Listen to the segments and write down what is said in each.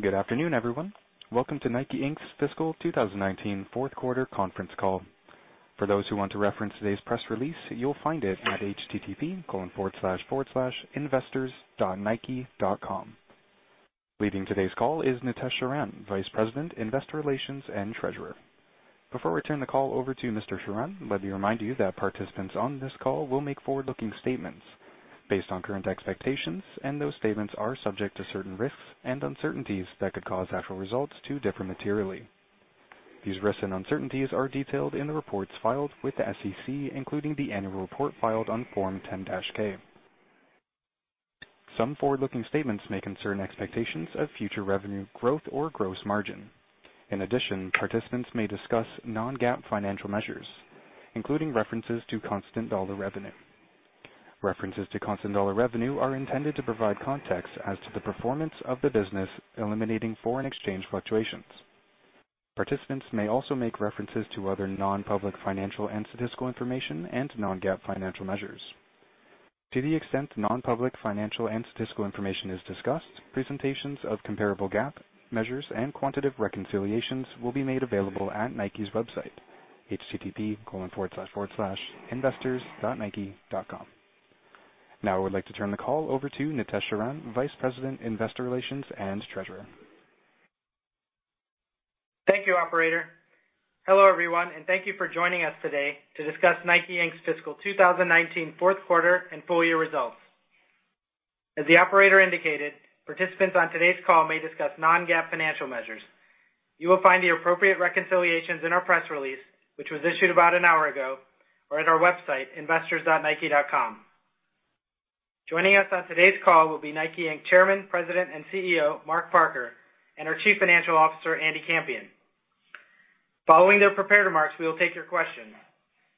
Good afternoon, everyone. Welcome to NIKE, Inc's fiscal 2019 fourth quarter conference call. For those who want to reference today's press release, you'll find it at http://investors.NIKE.com. Leading today's call is Nitesh Sharan, Vice President, Investor Relations and Treasurer. Before we turn the call over to Mr. Sharan, let me remind you that participants on this call will make forward-looking statements based on current expectations, and those statements are subject to certain risks and uncertainties that could cause actual results to differ materially. These risks and uncertainties are detailed in the reports filed with the SEC, including the annual report filed on Form 10-K. Some forward-looking statements may concern expectations of future revenue growth or gross margin. In addition, participants may discuss non-GAAP financial measures, including references to constant dollar revenue. References to constant dollar revenue are intended to provide context as to the performance of the business, eliminating foreign exchange fluctuations. Participants may also make references to other non-public financial and statistical information and non-GAAP financial measures. To the extent non-public financial and statistical information is discussed, presentations of comparable GAAP measures and quantitative reconciliations will be made available at NIKE's website, http://investors.NIKE.com. Now I would like to turn the call over to Nitesh Sharan, Vice President, Investor Relations and Treasurer. Thank you, operator. Hello, everyone, and thank you for joining us today to discuss NIKE, Inc's fiscal 2019 fourth quarter and full year results. As the operator indicated, participants on today's call may discuss non-GAAP financial measures. You will find the appropriate reconciliations in our press release, which was issued about an hour ago, or at our website, investors.NIKE.com. Joining us on today's call will be NIKE, Inc Chairman, President, and CEO, Mark Parker, and our Chief Financial Officer, Andy Campion. Following their prepared remarks, we will take your questions.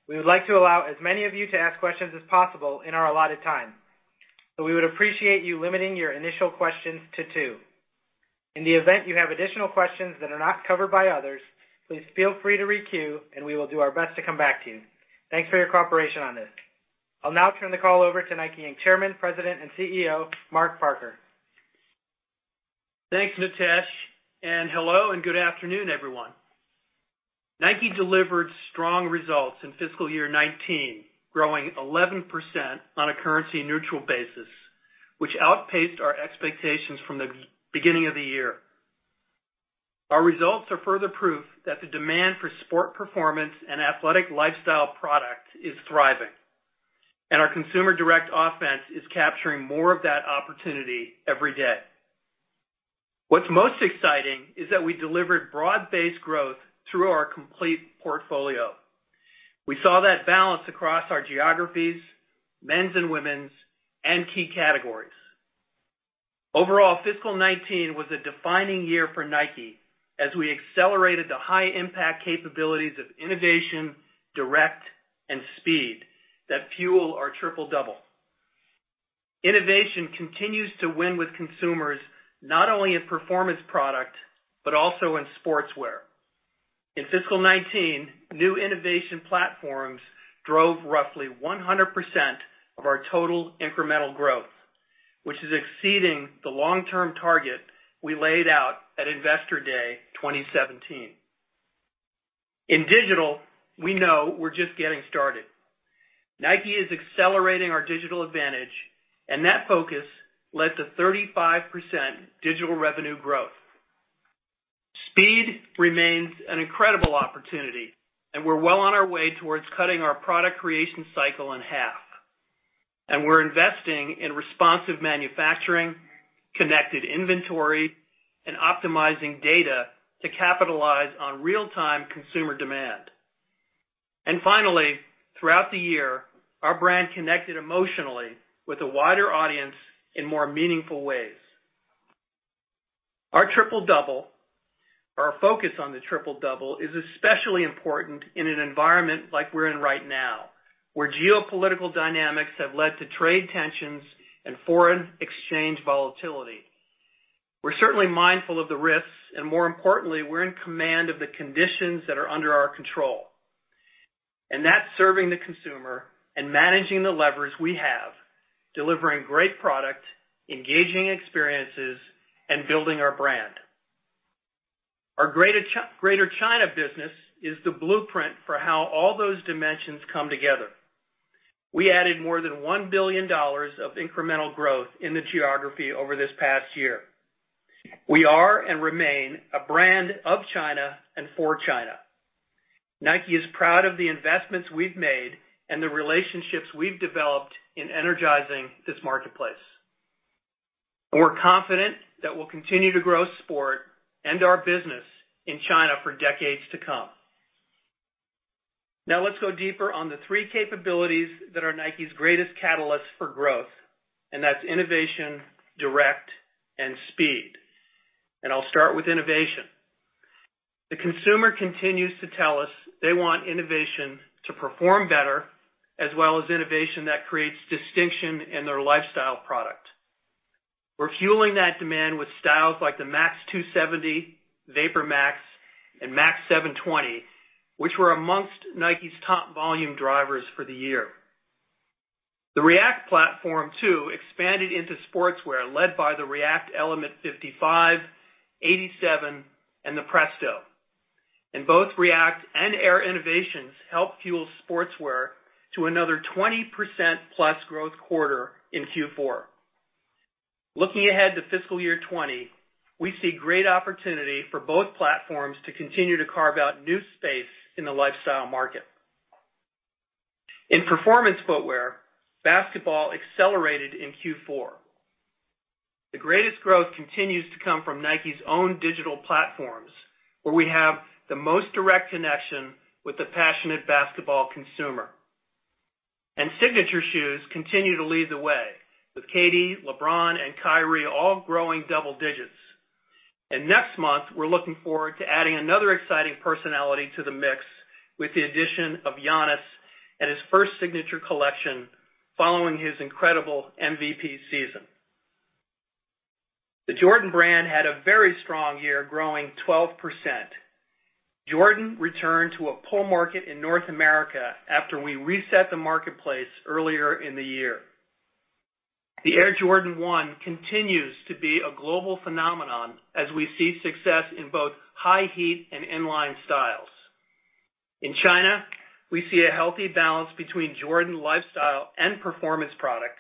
We would like to allow as many of you to ask questions as possible in our allotted time. We would appreciate you limiting your initial questions to two. In the event you have additional questions that are not covered by others, please feel free to re-queue and we will do our best to come back to you. Thanks for your cooperation on this. I'll now turn the call over to NIKE, Inc Chairman, President, and CEO, Mark Parker. Thanks, Nitesh, hello and good afternoon, everyone. NIKE delivered strong results in fiscal year 2019, growing 11% on a currency neutral basis, which outpaced our expectations from the beginning of the year. Our results are further proof that the demand for sport performance and athletic lifestyle product is thriving. Our Consumer Direct Offense is capturing more of that opportunity every day. What's most exciting is that we delivered broad-based growth through our complete portfolio. We saw that balance across our geographies, men's and women's, and key categories. Overall, fiscal 2019 was a defining year for NIKE as we accelerated the high-impact capabilities of innovation, direct, and speed that fuel our Triple Double. Innovation continues to win with consumers, not only in performance product, but also in sportswear. In fiscal 2019, new innovation platforms drove roughly 100% of our total incremental growth, which is exceeding the long-term target we laid out at Investor Day 2017. In digital, we know we're just getting started. NIKE is accelerating our digital advantage. That focus led to 35% digital revenue growth. Speed remains an incredible opportunity. We're well on our way towards cutting our product creation cycle in half. We're investing in responsive manufacturing, connected inventory, and optimizing data to capitalize on real-time consumer demand. Finally, throughout the year, our brand connected emotionally with a wider audience in more meaningful ways. Our focus on the Triple Double is especially important in an environment like we're in right now, where geopolitical dynamics have led to trade tensions and foreign exchange volatility. We're certainly mindful of the risks. More importantly, we're in command of the conditions that are under our control. That's serving the consumer and managing the levers we have, delivering great product, engaging experiences, and building our brand. Our Greater China business is the blueprint for how all those dimensions come together. We added more than $1 billion of incremental growth in the geography over this past year. We are and remain a brand of China and for China. NIKE is proud of the investments we've made and the relationships we've developed in energizing this marketplace. We're confident that we'll continue to grow sport and our business in China for decades to come. Let's go deeper on the three capabilities that are NIKE's greatest catalysts for growth. That's innovation, direct, and speed. I'll start with innovation. The consumer continues to tell us they want innovation to perform better, as well as innovation that creates distinction in their lifestyle product. We're fueling that demand with styles like the Max 270, VaporMax, Max 720, which were amongst NIKE's top volume drivers for the year. The React platform too expanded into sportswear led by the React Element 55, 87, and the Presto. Both React and Air innovations helped fuel sportswear to another 20%+ growth quarter in Q4. Looking ahead to fiscal year 2020, we see great opportunity for both platforms to continue to carve out new space in the lifestyle market. In performance footwear, basketball accelerated in Q4. The greatest growth continues to come from NIKE's own digital platforms, where we have the most direct connection with the passionate basketball consumer. Signature shoes continue to lead the way with KD, LeBron, and Kyrie all growing double digits. Next month, we're looking forward to adding another exciting personality to the mix with the addition of Giannis and his first signature collection following his incredible MVP season. The Jordan Brand had a very strong year, growing 12%. Jordan returned to a pull market in North America after we reset the marketplace earlier in the year. The Air Jordan 1 continues to be a global phenomenon as we see success in both high heat and inline styles. In China, we see a healthy balance between Jordan lifestyle and performance product,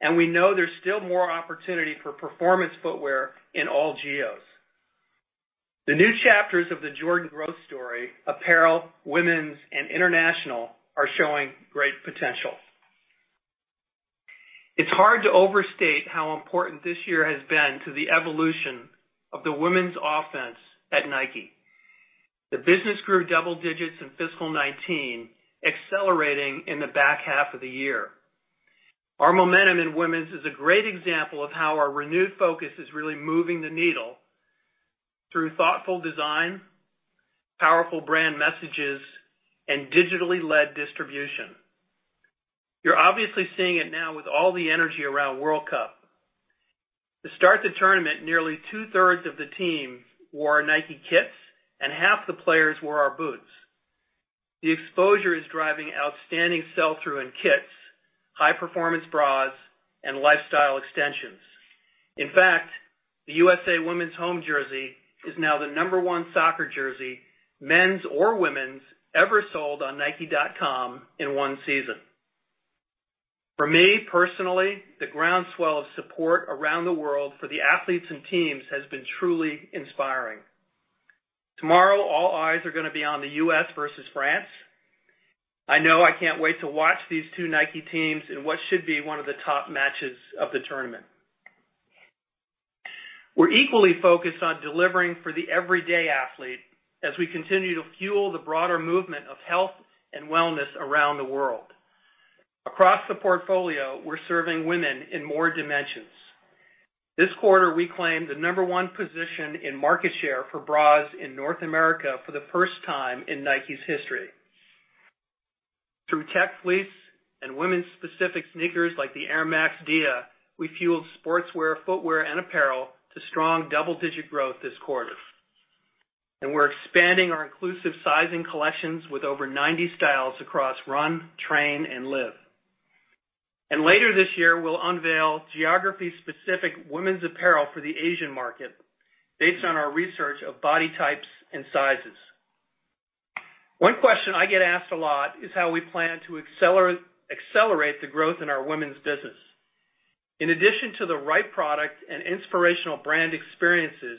and we know there's still more opportunity for performance footwear in all geos. The new chapters of the Jordan growth story, apparel, women's, and international, are showing great potential. It's hard to overstate how important this year has been to the evolution of the women's offense at NIKE. The business grew double digits in fiscal 2019, accelerating in the back half of the year. Our momentum in women's is a great example of how our renewed focus is really moving the needle through thoughtful design, powerful brand messages, and digitally led distribution. You're obviously seeing it now with all the energy around World Cup. To start the tournament, nearly 2/3 of the team wore NIKE kits and half the players wore our boots. The exposure is driving outstanding sell-through in kits, high-performance bras, and lifestyle extensions. In fact, the U.S.A. women's home jersey is now the number one soccer jersey, men's or women's, ever sold on NIKE.com in one season. For me, personally, the groundswell of support around the world for the athletes and teams has been truly inspiring. Tomorrow, all eyes are going to be on the U.S. versus France. I know I can't wait to watch these two NIKE teams in what should be one of the top matches of the tournament. We're equally focused on delivering for the everyday athlete as we continue to fuel the broader movement of health and wellness around the world. Across the portfolio, we're serving women in more dimensions. This quarter, we claimed the number one position in market share for bras in North America for the first time in NIKE's history. Through Tech Fleece and women's specific sneakers like the Air Max Dia, we fueled sportswear, footwear, and apparel to strong double-digit growth this quarter. We're expanding our inclusive sizing collections with over 90 styles across run, train, and live. Later this year, we'll unveil geography-specific women's apparel for the Asian market based on our research of body types and sizes. One question I get asked a lot is how we plan to accelerate the growth in our women's business. In addition to the right product and inspirational brand experiences,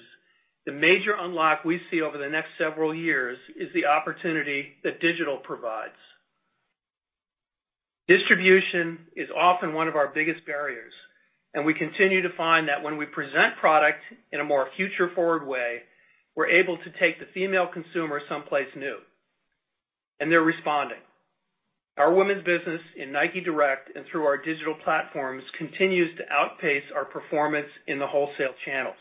the major unlock we see over the next several years is the opportunity that digital provides. Distribution is often one of our biggest barriers, and we continue to find that when we present product in a more future-forward way, we're able to take the female consumer someplace new, and they're responding. Our women's business in NIKE Direct and through our digital platforms continues to outpace our performance in the wholesale channels.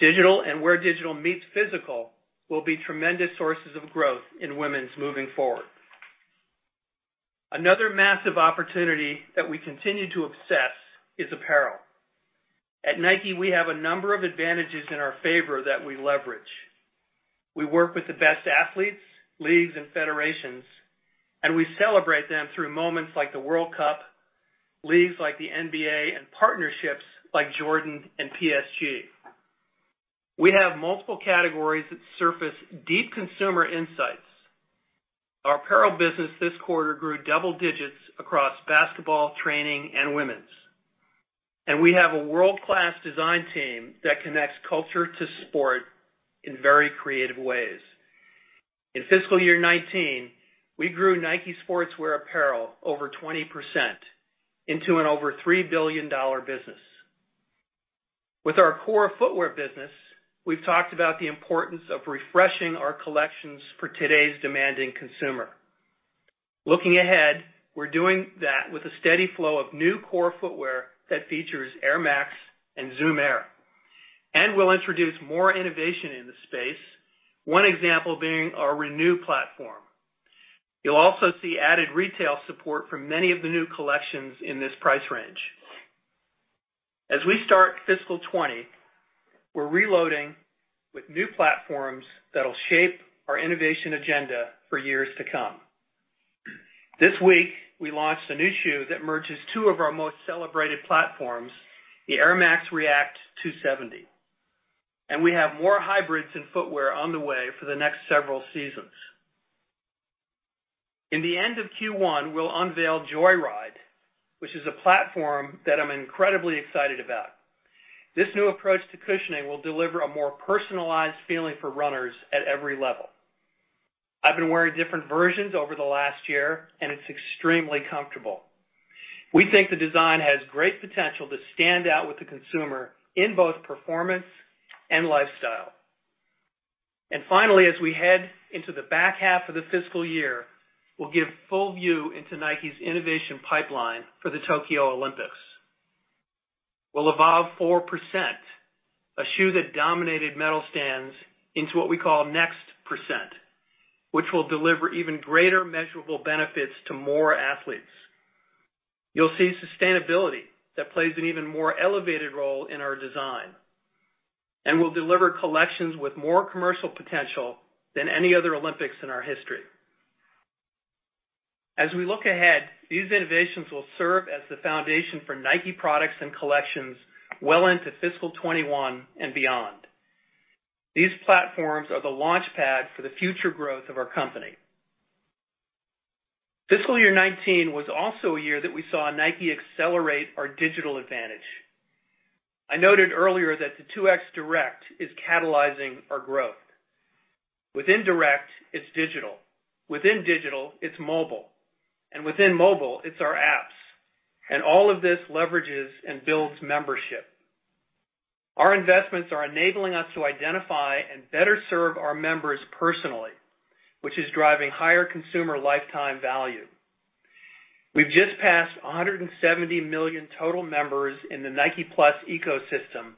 Digital and where digital meets physical will be tremendous sources of growth in women's moving forward. Another massive opportunity that we continue to obsess is apparel. At NIKE, we have a number of advantages in our favor that we leverage. We work with the best athletes, leagues, and federations, and we celebrate them through moments like the World Cup, leagues like the NBA, and partnerships like Jordan and PSG. We have multiple categories that surface deep consumer insights. Our apparel business this quarter grew double digits across basketball, training, and women's. We have a world-class design team that connects culture to sport in very creative ways. In fiscal year 2019, we grew NIKE Sportswear apparel over 20% into an over $3 billion business. With our core footwear business, we've talked about the importance of refreshing our collections for today's demanding consumer. Looking ahead, we're doing that with a steady flow of new core footwear that features Air Max and Zoom Air. We'll introduce more innovation in this space. One example being our renew platform. You'll also see added retail support from many of the new collections in this price range. As we start fiscal 2020, we're reloading with new platforms that'll shape our innovation agenda for years to come. This week, we launched a new shoe that merges two of our most celebrated platforms, the Air Max React 270. We have more hybrids and footwear on the way for the next several seasons. In the end of Q1, we'll unveil Joyride, which is a platform that I'm incredibly excited about. This new approach to cushioning will deliver a more personalized feeling for runners at every level. I've been wearing different versions over the last year, and it's extremely comfortable. We think the design has great potential to stand out with the consumer in both performance and lifestyle. Finally, as we head into the back half of the fiscal year, we'll give full view into NIKE's innovation pipeline for the Tokyo Olympics. We'll evolve 4%, a shoe that dominated medal stands, into what we call Next%, which will deliver even greater measurable benefits to more athletes. You'll see sustainability that plays an even more elevated role in our design, and we'll deliver collections with more commercial potential than any other Olympics in our history. As we look ahead, these innovations will serve as the foundation for NIKE products and collections well into fiscal 2021 and beyond. These platforms are the launch pad for the future growth of our company. Fiscal year 2019 was also a year that we saw NIKE accelerate our digital advantage. I noted earlier that the 2X Direct is catalyzing our growth. Within Direct, it's digital. Within digital, it's mobile. Within mobile, it's our apps. All of this leverages and builds membership. Our investments are enabling us to identify and better serve our members personally, which is driving higher customer lifetime value. We've just passed 170 million total members in the NIKE+ ecosystem,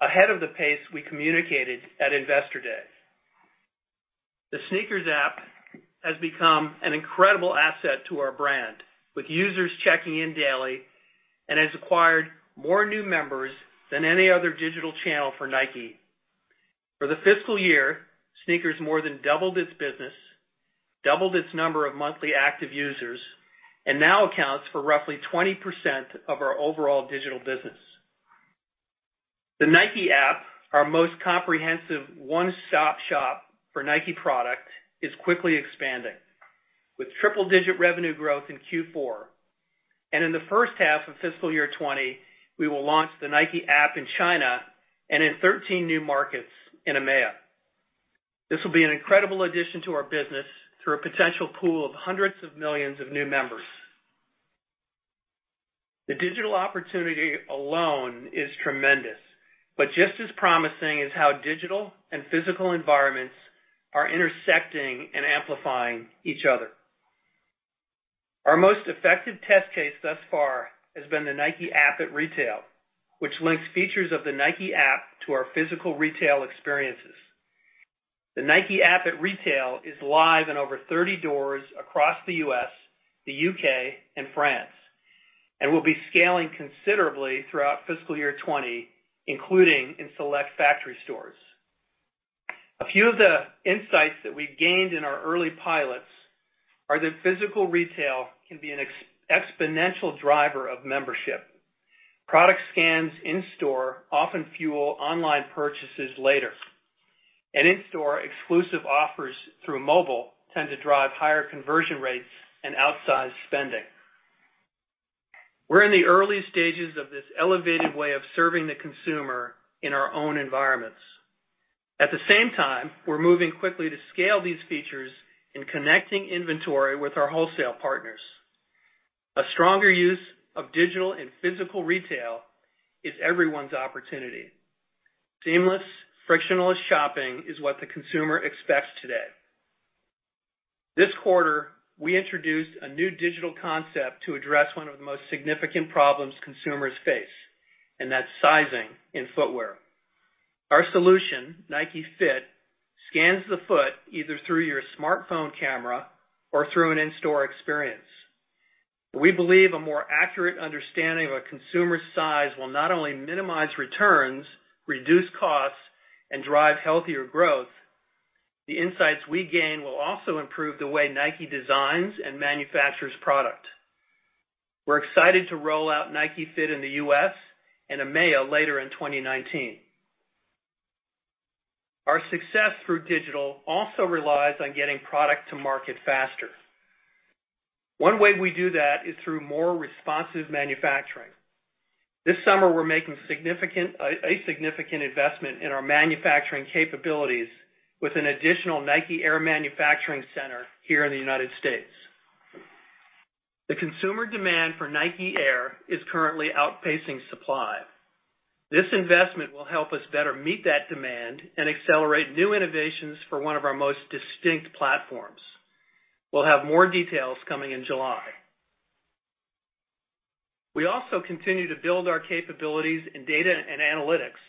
ahead of the pace we communicated at Investor Day. The SNKRS app has become an incredible asset to our brand, with users checking in daily and has acquired more new members than any other digital channel for NIKE. For the fiscal year, SNKRS more than doubled its business, doubled its number of monthly active users, and now accounts for roughly 20% of our overall digital business. The NIKE App, our most comprehensive one-stop shop for NIKE product, is quickly expanding with triple-digit revenue growth in Q4. In the first half of fiscal year 2020, we will launch the NIKE App in China and in 13 new markets in EMEA. This will be an incredible addition to our business through a potential pool of hundreds of millions of new members. The digital opportunity alone is tremendous, but just as promising is how digital and physical environments are intersecting and amplifying each other. Our most effective test case thus far has been the NIKE App at Retail, which links features of the NIKE App to our physical retail experiences. The NIKE App at Retail is live in over 30 doors across the U.S., the U.K., and France, and will be scaling considerably throughout fiscal year 2020, including in select factory stores. A few of the insights that we've gained in our early pilots are that physical retail can be an exponential driver of membership. Product scans in store often fuel online purchases later. In-store exclusive offers through mobile tend to drive higher conversion rates and outsized spending. We're in the early stages of this elevated way of serving the consumer in our own environments. At the same time, we're moving quickly to scale these features in connecting inventory with our wholesale partners. A stronger use of digital and physical retail is everyone's opportunity. Seamless, frictionless shopping is what the consumer expects today. This quarter, we introduced a new digital concept to address one of the most significant problems consumers face, and that's sizing in footwear. Our solution, NIKE Fit, scans the foot either through your smartphone camera or through an in-store experience. We believe a more accurate understanding of a consumer's size will only minimize returns, reduce costs, and drive healthier growth. The insights we gain will also improve the way NIKE designs and manufactures product. We're excited to roll out NIKE Fit in the U.S. and EMEA later in 2019. Our success through digital also relies on getting product to market faster. One way we do that is through more responsive manufacturing. This summer, we're making a significant investment in our manufacturing capabilities with an additional NIKE Air manufacturing center here in the United States. The consumer demand for NIKE Air is currently outpacing supply. This investment will help us better meet that demand and accelerate new innovations for one of our most distinct platforms. We'll have more details coming in July. We also continue to build our capabilities in data and analytics.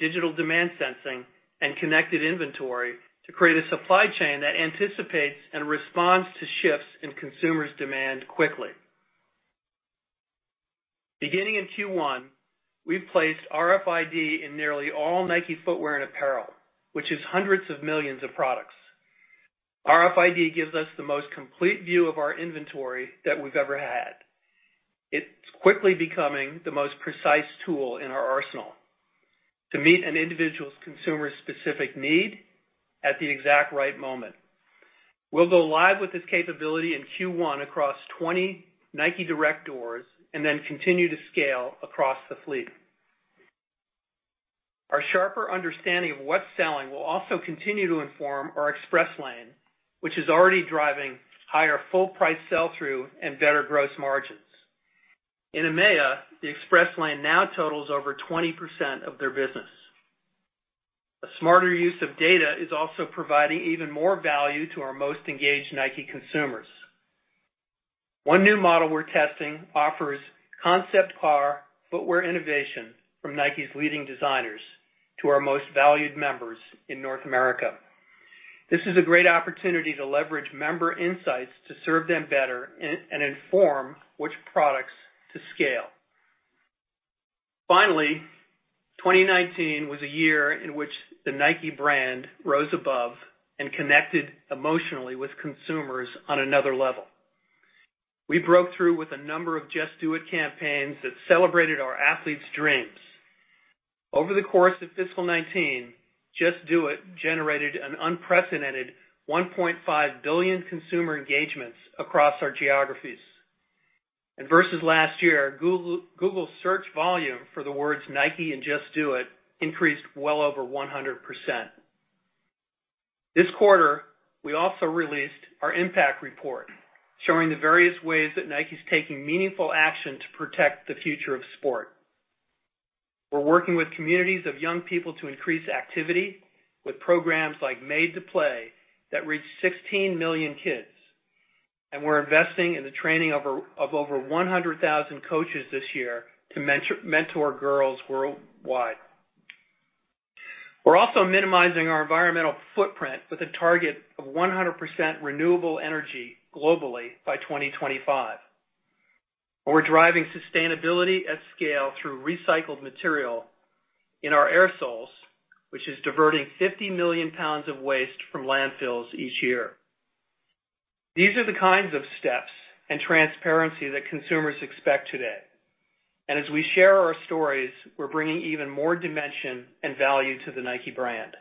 Digital demand sensing and connected inventory to create a supply chain that anticipates and responds to shifts in consumers' demand quickly. Beginning in Q1, we've placed RFID in nearly all NIKE footwear and apparel, which is hundreds of millions of products. RFID gives us the most complete view of our inventory that we've ever had. It's quickly becoming the most precise tool in our arsenal to meet an individual consumer's specific need at the exact right moment. We'll go live with this capability in Q1 across 20 NIKE Direct doors and then continue to scale across the fleet. Our sharper understanding of what's selling will also continue to inform our Express Lane, which is already driving higher full price sell-through and better gross margins. In EMEA, the Express Lane now totals over 20% of their business. A smarter use of data is also providing even more value to our most engaged NIKE consumers. One new model we're testing offers concept car footwear innovation from NIKE's leading designers to our most valued members in North America. This is a great opportunity to leverage member insights to serve them better and inform which products to scale. Finally, 2019 was a year in which the NIKE brand rose above and connected emotionally with consumers on another level. We broke through with a number of Just Do It campaigns that celebrated our athletes' dreams. Over the course of fiscal 2019, Just Do It generated an unprecedented $1.5 billion consumer engagements across our geographies. Versus last year, Google search volume for the words NIKE and Just Do It increased well over 100%. This quarter, we also released our impact report showing the various ways that NIKE's taking meaningful action to protect the future of sport. We're working with communities of young people to increase activity with programs like Made to Play that reached 16 million kids, and we're investing in the training of over 100,000 coaches this year to mentor girls worldwide. We're also minimizing our environmental footprint with a target of 100% renewable energy globally by 2025. We're driving sustainability at scale through recycled material in our air soles, which is diverting 50 million pounds of waste from landfills each year. These are the kinds of steps and transparency that consumers expect today, as we share our stories, we're bringing even more dimension and value to the NIKE brand.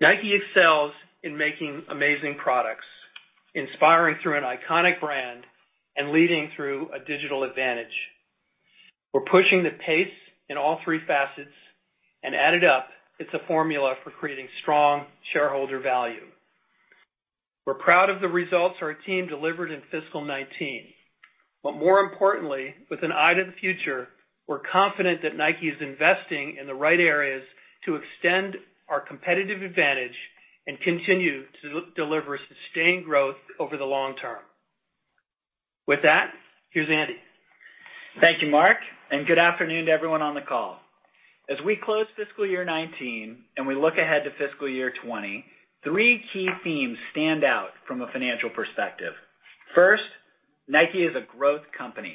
NIKE excels in making amazing products, inspiring through an iconic brand and leading through a digital advantage. We're pushing the pace in all three facets, added up, it's a formula for creating strong shareholder value. We're proud of the results our team delivered in fiscal 2019. More importantly, with an eye to the future, we're confident that NIKE is investing in the right areas to extend our competitive advantage and continue to deliver sustained growth over the long term. With that, here's Andy. Thank you, Mark, good afternoon to everyone on the call. As we close fiscal year 2019, we look ahead to fiscal year 2020, three key themes stand out from a financial perspective. First, NIKE is a growth company.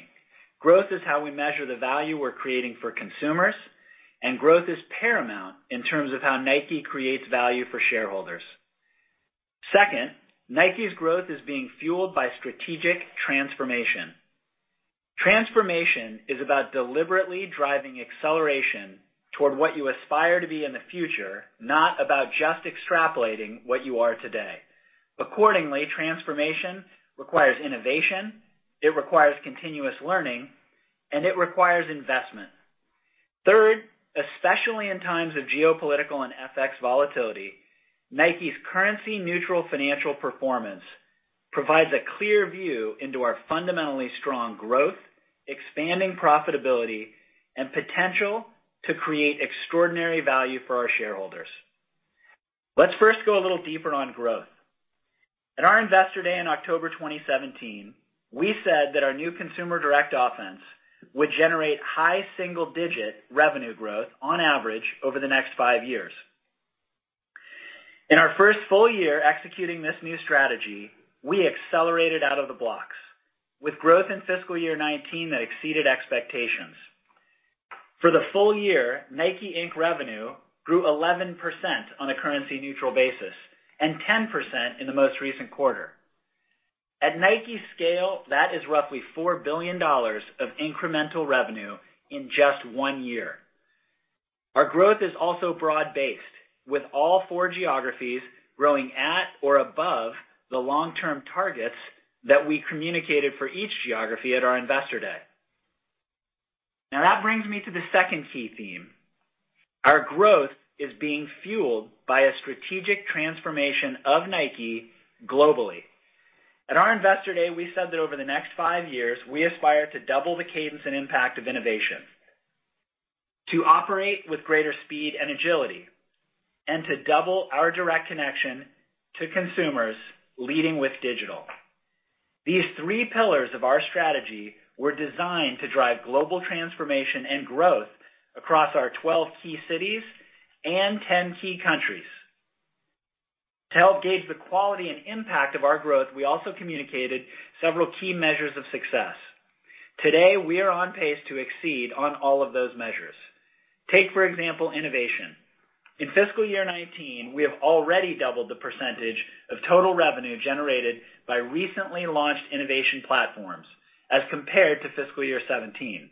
Growth is how we measure the value we're creating for consumers, and growth is paramount in terms of how NIKE creates value for shareholders. Second, NIKE's growth is being fueled by strategic transformation. Transformation is about deliberately driving acceleration toward what you aspire to be in the future, not about just extrapolating what you are today. Accordingly, transformation requires innovation, it requires continuous learning, it requires investment. Third, especially in times of geopolitical and FX volatility, NIKE's currency neutral financial performance provides a clear view into our fundamentally strong growth, expanding profitability, potential to create extraordinary value for our shareholders. Let's first go a little deeper on growth. At our Investor Day in October 2017, we said that our new Consumer Direct Offense would generate high single-digit revenue growth on average over the next five years. In our first full year executing this new strategy, we accelerated out of the blocks with growth in fiscal year 2019 that exceeded expectations. For the full year, NIKE, Inc revenue grew 11% on a currency neutral basis and 10% in the most recent quarter. At NIKE's scale, that is roughly $4 billion of incremental revenue in just one year. Our growth is also broad-based, with all four geographies growing at or above the long-term targets that we communicated for each geography at our Investor Day. That brings me to the second key theme. Our growth is being fueled by a strategic transformation of NIKE globally. At our Investor Day, we said that over the next five years, we aspire to double the cadence and impact of innovation, to operate with greater speed and agility, and to double our direct connection to consumers leading with digital. These three pillars of our strategy were designed to drive global transformation and growth across our 12 key cities and 10 key countries. To help gauge the quality and impact of our growth, we also communicated several key measures of success. Today, we are on pace to exceed on all of those measures. Take, for example, innovation. In fiscal year 2019, we have already doubled the percentage of total revenue generated by recently launched innovation platforms as compared to fiscal year 2017.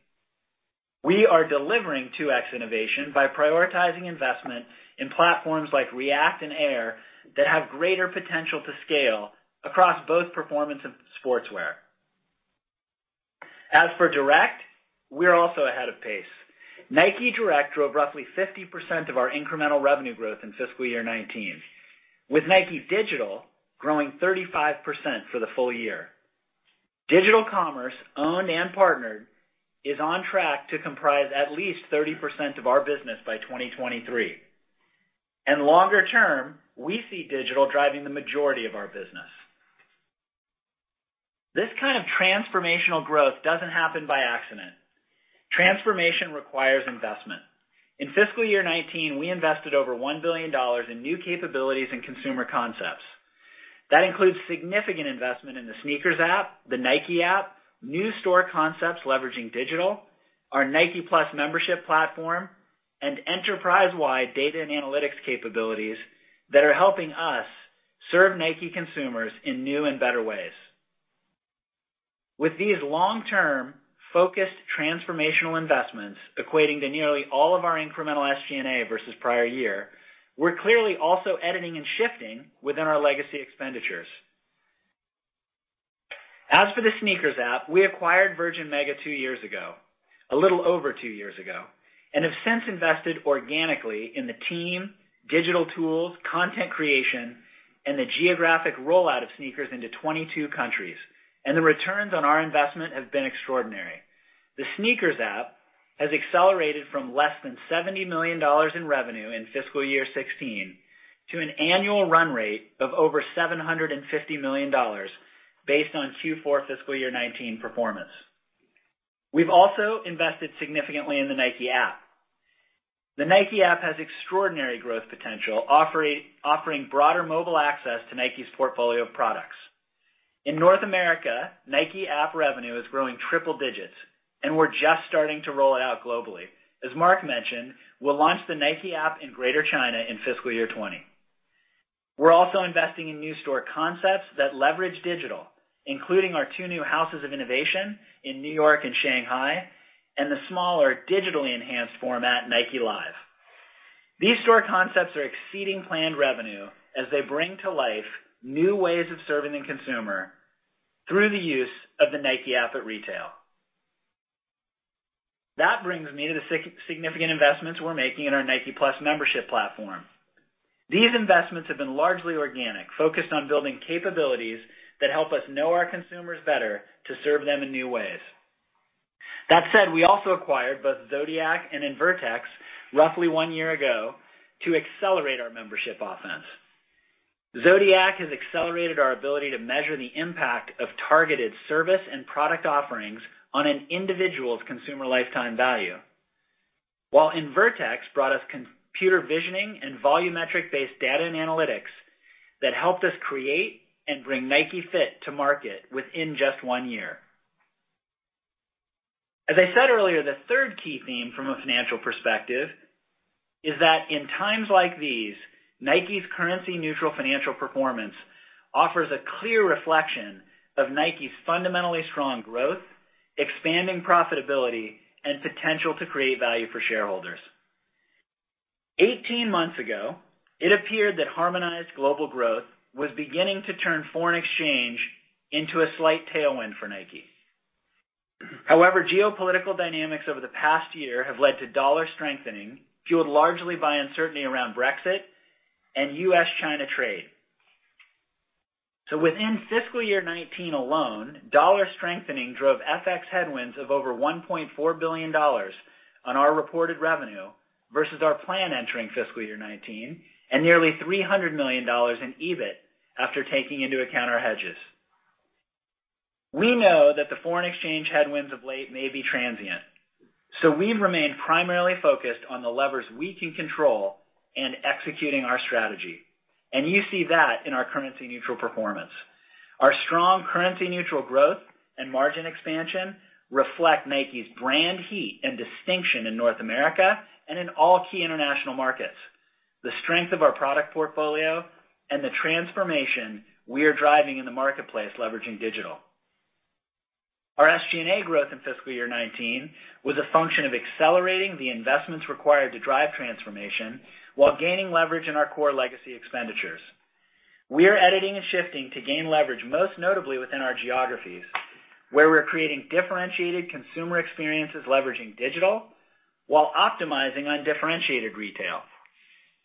We are delivering 2X Innovation by prioritizing investment in platforms like React and Air that have greater potential to scale across both performance and sportswear. As for Direct, we're also ahead of pace. NIKE Direct drove roughly 50% of our incremental revenue growth in fiscal year 2019. With NIKE Digital growing 35% for the full year. Digital commerce, owned and partnered, is on track to comprise at least 30% of our business by 2023. Longer term, we see digital driving the majority of our business. This kind of transformational growth doesn't happen by accident. Transformation requires investment. In fiscal year 2019, we invested over $1 billion in new capabilities and consumer concepts. That includes significant investment in the SNKRS App, the NIKE App, new store concepts leveraging digital, our NIKE+ Membership platform, and enterprise-wide data and analytics capabilities that are helping us serve NIKE consumers in new and better ways. With these long-term, focused, transformational investments equating to nearly all of our incremental SG&A versus prior year, we're clearly also editing and shifting within our legacy expenditures. As for the SNKRS App, we acquired Virgin Mega two years ago, a little over two years ago, and have since invested organically in the team, digital tools, content creation, and the geographic rollout of SNKRS into 22 countries, and the returns on our investment have been extraordinary. The SNKRS App has accelerated from less than $70 million in revenue in fiscal year 2016, to an annual run rate of over $750 million based on Q4 fiscal year 2019 performance. We've also invested significantly in the NIKE App. The NIKE App has extraordinary growth potential, offering broader mobile access to NIKE's portfolio of products. In North America, NIKE App revenue is growing triple digits. We're just starting to roll it out globally. As Mark mentioned, we'll launch the NIKE App in Greater China in fiscal year 2020. We're also investing in new store concepts that leverage digital, including our two new Houses of Innovation in New York and Shanghai, and the smaller, digitally enhanced format, NIKE Live. These store concepts are exceeding planned revenue as they bring to life new ways of serving the consumer through the use of the NIKE App at Retail. That brings me to the significant investments we're making in our NIKE+ Membership platform. These investments have been largely organic, focused on building capabilities that help us know our consumers better to serve them in new ways. That said, we also acquired both Zodiac and Invertex roughly one year ago to accelerate our membership offense. Zodiac has accelerated our ability to measure the impact of targeted service and product offerings on an individual's customer lifetime value. While Invertex brought us computer visioning and volumetric-based data and analytics that helped us create and bring NIKE Fit to market within just one year. As I said earlier, the third key theme from a financial perspective is that in times like these, NIKE's currency neutral financial performance offers a clear reflection of NIKE's fundamentally strong growth, expanding profitability, and potential to create value for shareholders. 18 months ago, it appeared that harmonized global growth was beginning to turn foreign exchange into a slight tailwind for NIKE. However, geopolitical dynamics over the past year have led to dollar strengthening, fueled largely by uncertainty around Brexit and U.S.-China trade. Within fiscal year 2019 alone, dollar strengthening drove FX headwinds of over $1.4 billion on our reported revenue versus our plan entering fiscal year 2019, and nearly $300 million in EBIT after taking into account our hedges. We know that the foreign exchange headwinds of late may be transient. We've remained primarily focused on the levers we can control and executing our strategy. You see that in our currency neutral performance. Our strong currency neutral growth and margin expansion reflect NIKE's brand heat and distinction in North America and in all key international markets. The strength of our product portfolio and the transformation we are driving in the marketplace, leveraging digital. Our SG&A growth in fiscal year 2019 was a function of accelerating the investments required to drive transformation while gaining leverage in our core legacy expenditures. We are editing and shifting to gain leverage, most notably within our geographies, where we're creating differentiated consumer experiences leveraging digital while optimizing undifferentiated retail.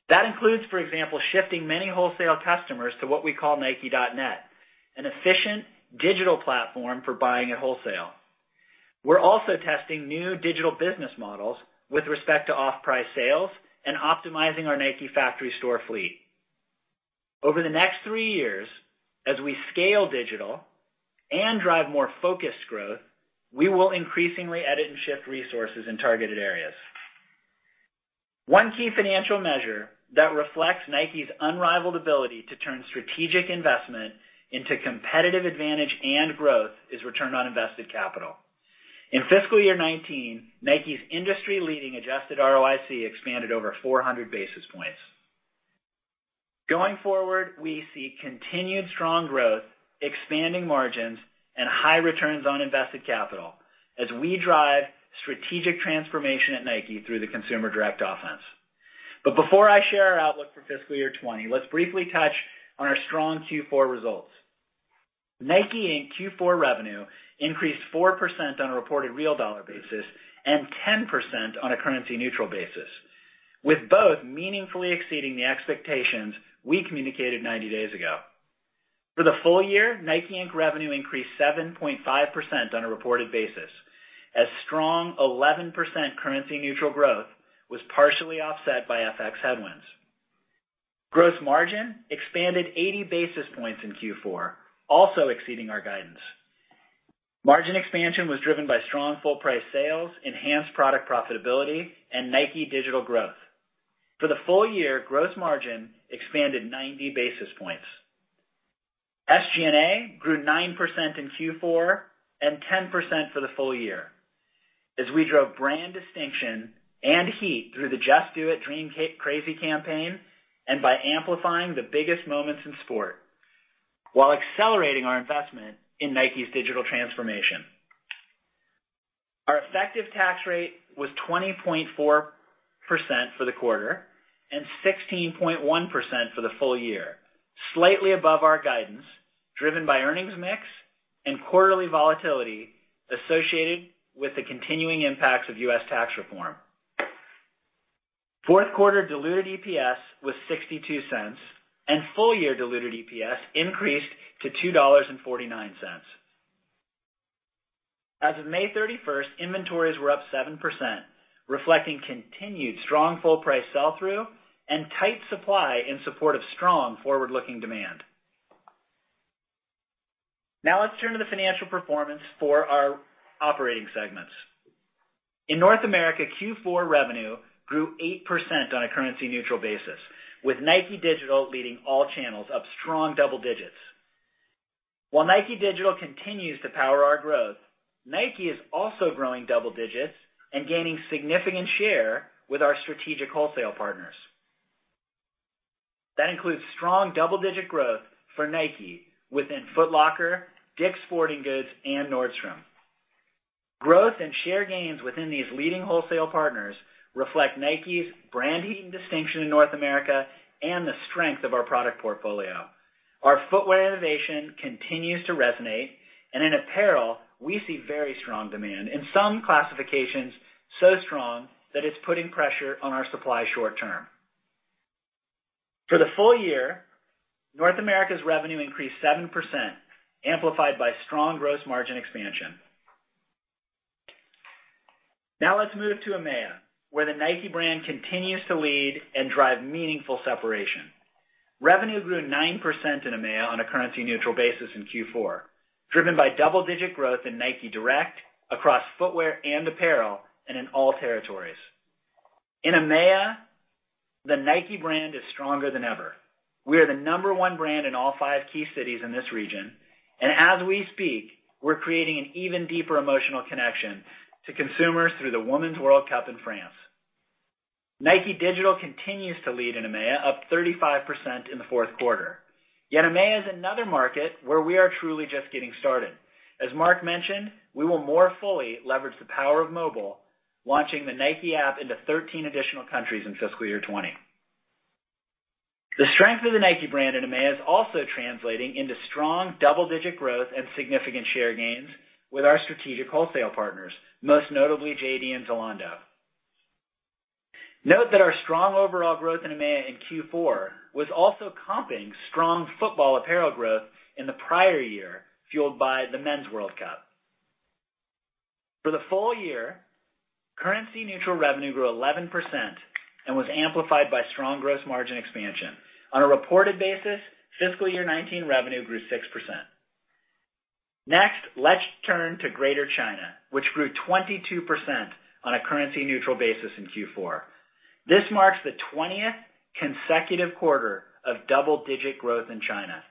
That includes, for example, shifting many wholesale customers to what we call NIKE.net, an efficient digital platform for buying at wholesale. We're also testing new digital business models with respect to off-price sales and optimizing our NIKE factory store fleet. Over the next three years, as we scale digital and drive more focused growth, we will increasingly edit and shift resources in targeted areas. One key financial measure that reflects NIKE's unrivaled ability to turn strategic investment into competitive advantage and growth is return on invested capital. In fiscal year 2019, NIKE's industry-leading adjusted ROIC expanded over 400 basis points. Going forward, we see continued strong growth, expanding margins, and high returns on invested capital as we drive strategic transformation at NIKE through the Consumer Direct Offense. Before I share our outlook for fiscal year 2020, let's briefly touch on our strong Q4 results. NIKE, Inc Q4 revenue increased 4% on a reported real dollar basis and 10% on a currency-neutral basis, with both meaningfully exceeding the expectations we communicated 90 days ago. For the full year, NIKE, Inc revenue increased 7.5% on a reported basis, as strong 11% currency neutral growth was partially offset by FX headwinds. Gross margin expanded 80 basis points in Q4, also exceeding our guidance. Margin expansion was driven by strong full price sales, enhanced product profitability, and NIKE Digital growth. For the full year, gross margin expanded 90 basis points. SG&A grew 9% in Q4 and 10% for the full year. As we drove brand distinction and heat through the Just Do It Dream Crazy campaign and by amplifying the biggest moments in sport while accelerating our investment in NIKE's digital transformation. Our effective tax rate was 20.4% for the quarter and 16.1% for the full year, slightly above our guidance, driven by earnings mix and quarterly volatility associated with the continuing impacts of U.S. tax reform. Fourth quarter diluted EPS was $0.62 and full-year diluted EPS increased to $2.49. As of May 31st, inventories were up 7%, reflecting continued strong full price sell-through and tight supply in support of strong forward-looking demand. Now let's turn to the financial performance for our operating segments. In North America, Q4 revenue grew 8% on a currency neutral basis, with NIKE Digital leading all channels up strong double digits. While NIKE Digital continues to power our growth, NIKE is also growing double digits and gaining significant share with our strategic wholesale partners. That includes strong double-digit growth for NIKE within Foot Locker, Dick's Sporting Goods, and Nordstrom. Growth and share gains within these leading wholesale partners reflect NIKE's brand distinction in North America and the strength of our product portfolio. Our footwear innovation continues to resonate. In apparel, we see very strong demand. In some classifications, so strong that it's putting pressure on our supply short term. For the full year, North America's revenue increased 7%, amplified by strong gross margin expansion. Now let's move to EMEA, where the NIKE brand continues to lead and drive meaningful separation. Revenue grew 9% in EMEA on a currency neutral basis in Q4, driven by double-digit growth in NIKE Direct across footwear and apparel and in all territories. In EMEA, the NIKE brand is stronger than ever. We are the number one brand in all five key cities in this region. As we speak, we're creating an even deeper emotional connection to consumers through the Women's World Cup in France. NIKE Digital continues to lead in EMEA, up 35% in the fourth quarter. EMEA is another market where we are truly just getting started. As Mark mentioned, we will more fully leverage the power of mobile, launching the NIKE App into 13 additional countries in fiscal year 2020. The strength of the NIKE brand in EMEA is also translating into strong double-digit growth and significant share gains with our strategic wholesale partners, most notably JD and Zalando. Note that our strong overall growth in EMEA in Q4 was also comping strong football apparel growth in the prior year, fueled by the Men's World Cup. For the full year, currency neutral revenue grew 11% and was amplified by strong gross margin expansion. On a reported basis, fiscal year 2019 revenue grew 6%. Next, let's turn to Greater China, which grew 22% on a currency neutral basis in Q4. This marks the 20th consecutive quarter of double-digit growth in China.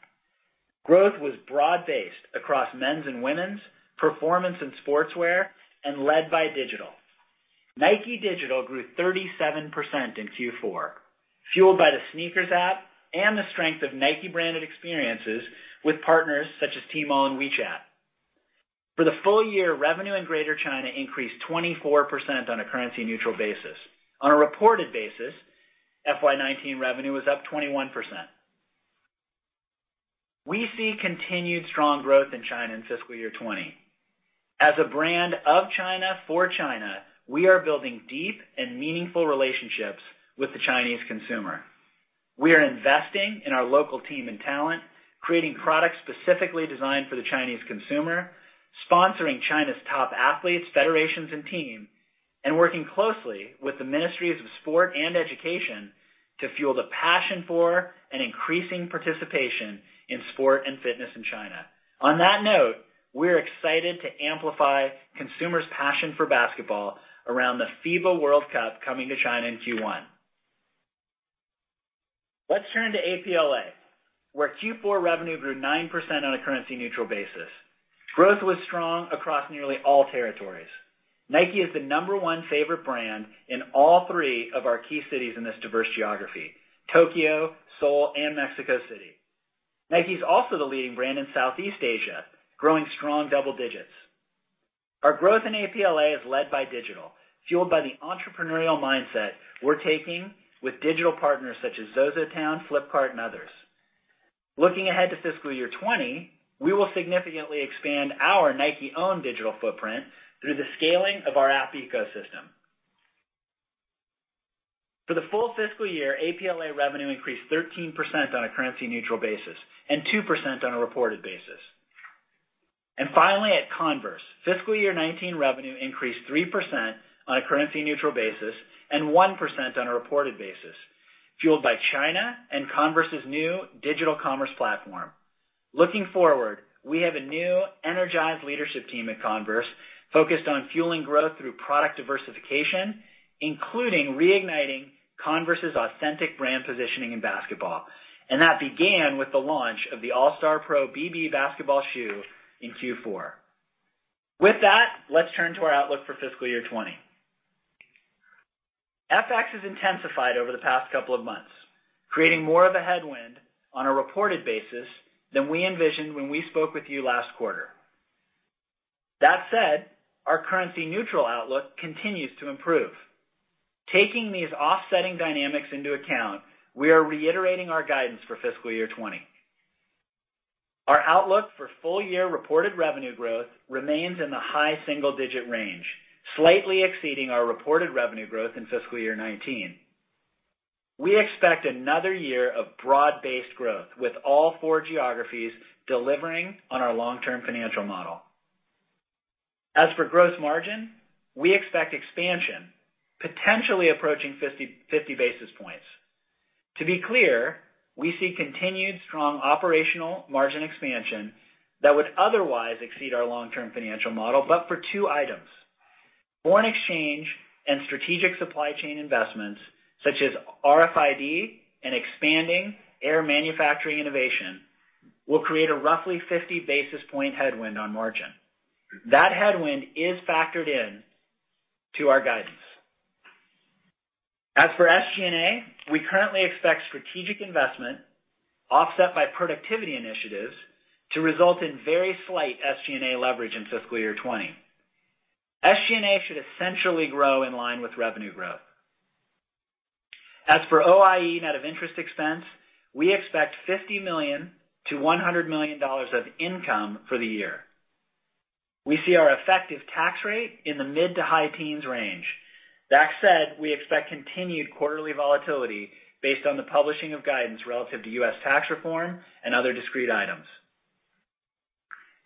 Growth was broad-based across men's and women's, performance and sportswear, and led by digital. NIKE Digital grew 37% in Q4, fueled by the SNKRS app and the strength of NIKE-branded experiences with partners such as Tmall and WeChat. For the full year, revenue in Greater China increased 24% on a currency neutral basis. On a reported basis, FY 2019 revenue was up 21%. We see continued strong growth in China in fiscal year 2020. As a brand of China for China, we are building deep and meaningful relationships with the Chinese consumer. We are investing in our local team and talent, creating products specifically designed for the Chinese consumer, sponsoring China's top athletes, federations, and team, and working closely with the Ministries of Sport and Education to fuel the passion for and increasing participation in sport and fitness in China. On that note, we're excited to amplify consumers' passion for basketball around the FIBA World Cup coming to China in Q1. Let's turn to APLA, where Q4 revenue grew 9% on a currency-neutral basis. Growth was strong across nearly all territories. NIKE is the number 1 favorite brand in all three of our key cities in this diverse geography, Tokyo, Seoul, and Mexico City. NIKE's also the leading brand in Southeast Asia, growing strong double digits. Our growth in APLA is led by digital, fueled by the entrepreneurial mindset we're taking with digital partners such as ZOZOTOWN, Flipkart, and others. Looking ahead to fiscal year 2020, we will significantly expand our NIKE-owned digital footprint through the scaling of our app ecosystem. For the full fiscal year, APLA revenue increased 13% on a currency-neutral basis and 2% on a reported basis. Finally, at Converse, fiscal year 2019 revenue increased 3% on a currency-neutral basis and 1% on a reported basis, fueled by China and Converse's new digital commerce platform. Looking forward, we have a new, energized leadership team at Converse focused on fueling growth through product diversification, including reigniting Converse's authentic brand positioning in basketball, and that began with the launch of the All Star Pro BB basketball shoe in Q4. With that, let's turn to our outlook for fiscal year 2020. FX has intensified over the past couple of months, creating more of a headwind on a reported basis than we envisioned when we spoke with you last quarter. That said, our currency-neutral outlook continues to improve. Taking these offsetting dynamics into account, we are reiterating our guidance for fiscal year 2020. Our outlook for full-year reported revenue growth remains in the high single-digit range, slightly exceeding our reported revenue growth in fiscal year 2019. We expect another year of broad-based growth, with all four geographies delivering on our long-term financial model. As for gross margin, we expect expansion, potentially approaching 50 basis points. To be clear, we see continued strong operational margin expansion that would otherwise exceed our long-term financial model but for two items. Foreign exchange and strategic supply chain investments, such as RFID and expanding Air Manufacturing Innovation, will create a roughly 50 basis point headwind on margin. That headwind is factored in to our guidance. As for SG&A, we currently expect strategic investment offset by productivity initiatives to result in very slight SG&A leverage in fiscal year 2020. SG&A should essentially grow in line with revenue growth. As for OIE net of interest expense, we expect $50 million to $100 million of income for the year. We see our effective tax rate in the mid to high teens range. That said, we expect continued quarterly volatility based on the publishing of guidance relative to U.S. tax reform and other discrete items.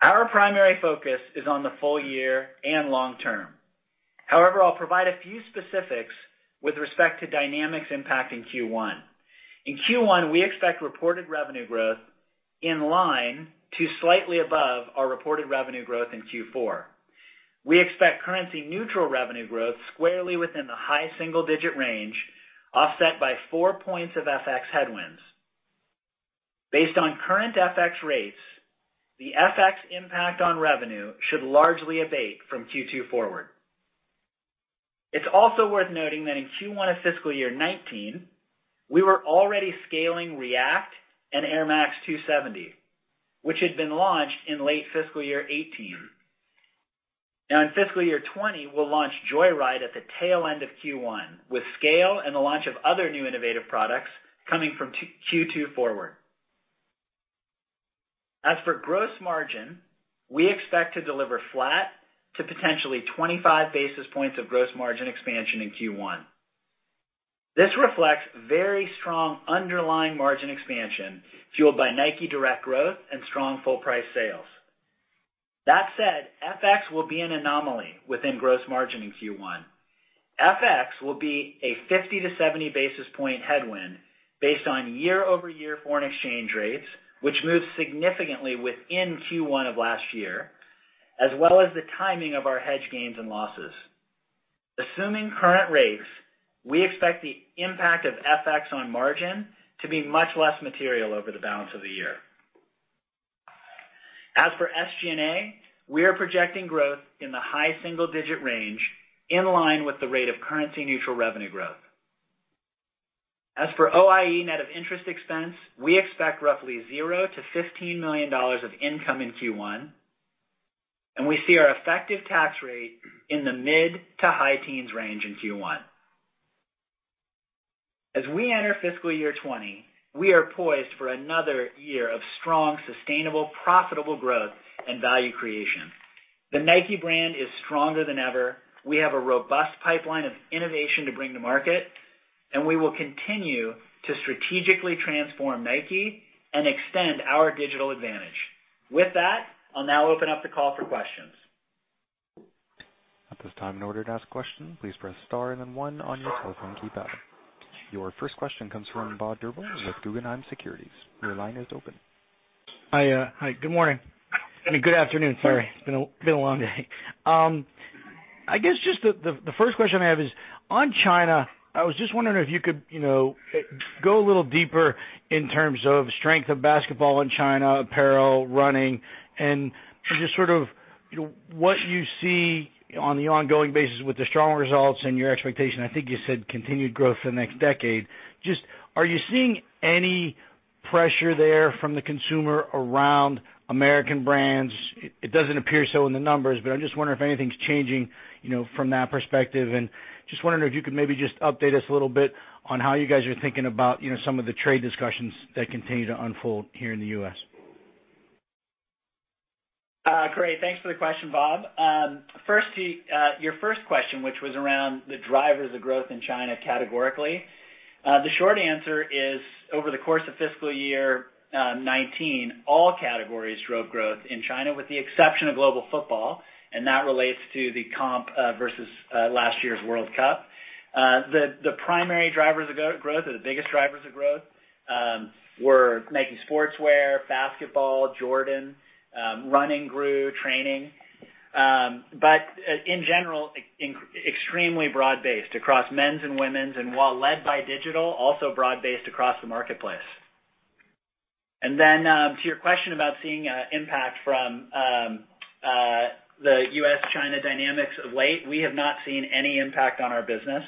Our primary focus is on the full year and long term. However, I'll provide a few specifics with respect to dynamics impacting Q1. In Q1, we expect reported revenue growth in line to slightly above our reported revenue growth in Q4. We expect currency-neutral revenue growth squarely within the high single-digit range, offset by 4 points of FX headwinds. Based on current FX rates, the FX impact on revenue should largely abate from Q2 forward. It's also worth noting that in Q1 of fiscal year 2019, we were already scaling React and Air Max 270, which had been launched in late fiscal year 2018. Now, in fiscal year 2020, we'll launch Joyride at the tail end of Q1, with scale and the launch of other new innovative products coming from Q2 forward. As for gross margin, we expect to deliver flat to potentially 25 basis points of gross margin expansion in Q1. This reflects very strong underlying margin expansion fueled by NIKE Direct growth and strong full price sales. That said, FX will be an anomaly within gross margin in Q1. FX will be a 50 basis point-70 basis point headwind based on year-over-year foreign exchange rates, which moved significantly within Q1 of last year, as well as the timing of our hedge gains and losses. Assuming current rates, we expect the impact of FX on margin to be much less material over the balance of the year. As for SG&A, we are projecting growth in the high single-digit range, in line with the rate of currency-neutral revenue growth. As for OIE net of interest expense, we expect roughly zero to $15 million of income in Q1, and we see our effective tax rate in the mid to high teens range in Q1. As we enter fiscal year 2020, we are poised for another year of strong, sustainable, profitable growth and value creation. The NIKE brand is stronger than ever. We have a robust pipeline of innovation to bring to market. We will continue to strategically transform NIKE and extend our digital advantage. With that, I'll now open up the call for questions. At this time, in order to ask question, please press star and then one on your telephone keypad. Your first question comes from Bob Drbul with Guggenheim Securities. Your line is open. Hi. Good morning. Good afternoon. Sorry. It's been a long day. I guess just the first question I have is on China. I was just wondering if you could go a little deeper in terms of strength of basketball in China, apparel, running, and just sort of what you see on the ongoing basis with the strong results and your expectation, I think you said, continued growth for the next decade. Just, are you seeing any pressure there from the consumer around American brands? It doesn't appear so in the numbers, but I'm just wondering if anything's changing from that perspective. And just wondering if you could maybe just update us a little bit on how you guys are thinking about some of the trade discussions that continue to unfold here in the U.S. Great. Thanks for the question, Bob. Your first question, which was around the drivers of growth in China categorically. The short answer is, over the course of fiscal year 2019, all categories drove growth in China with the exception of global football, and that relates to the comp versus last year's World Cup. The primary drivers of growth or the biggest drivers of growth, were making sportswear, basketball, Jordan, running grew, training. In general, extremely broad-based across men's and women's, and while led by digital, also broad-based across the marketplace. To your question about seeing impact from the U.S.-China dynamics of late, we have not seen any impact on our business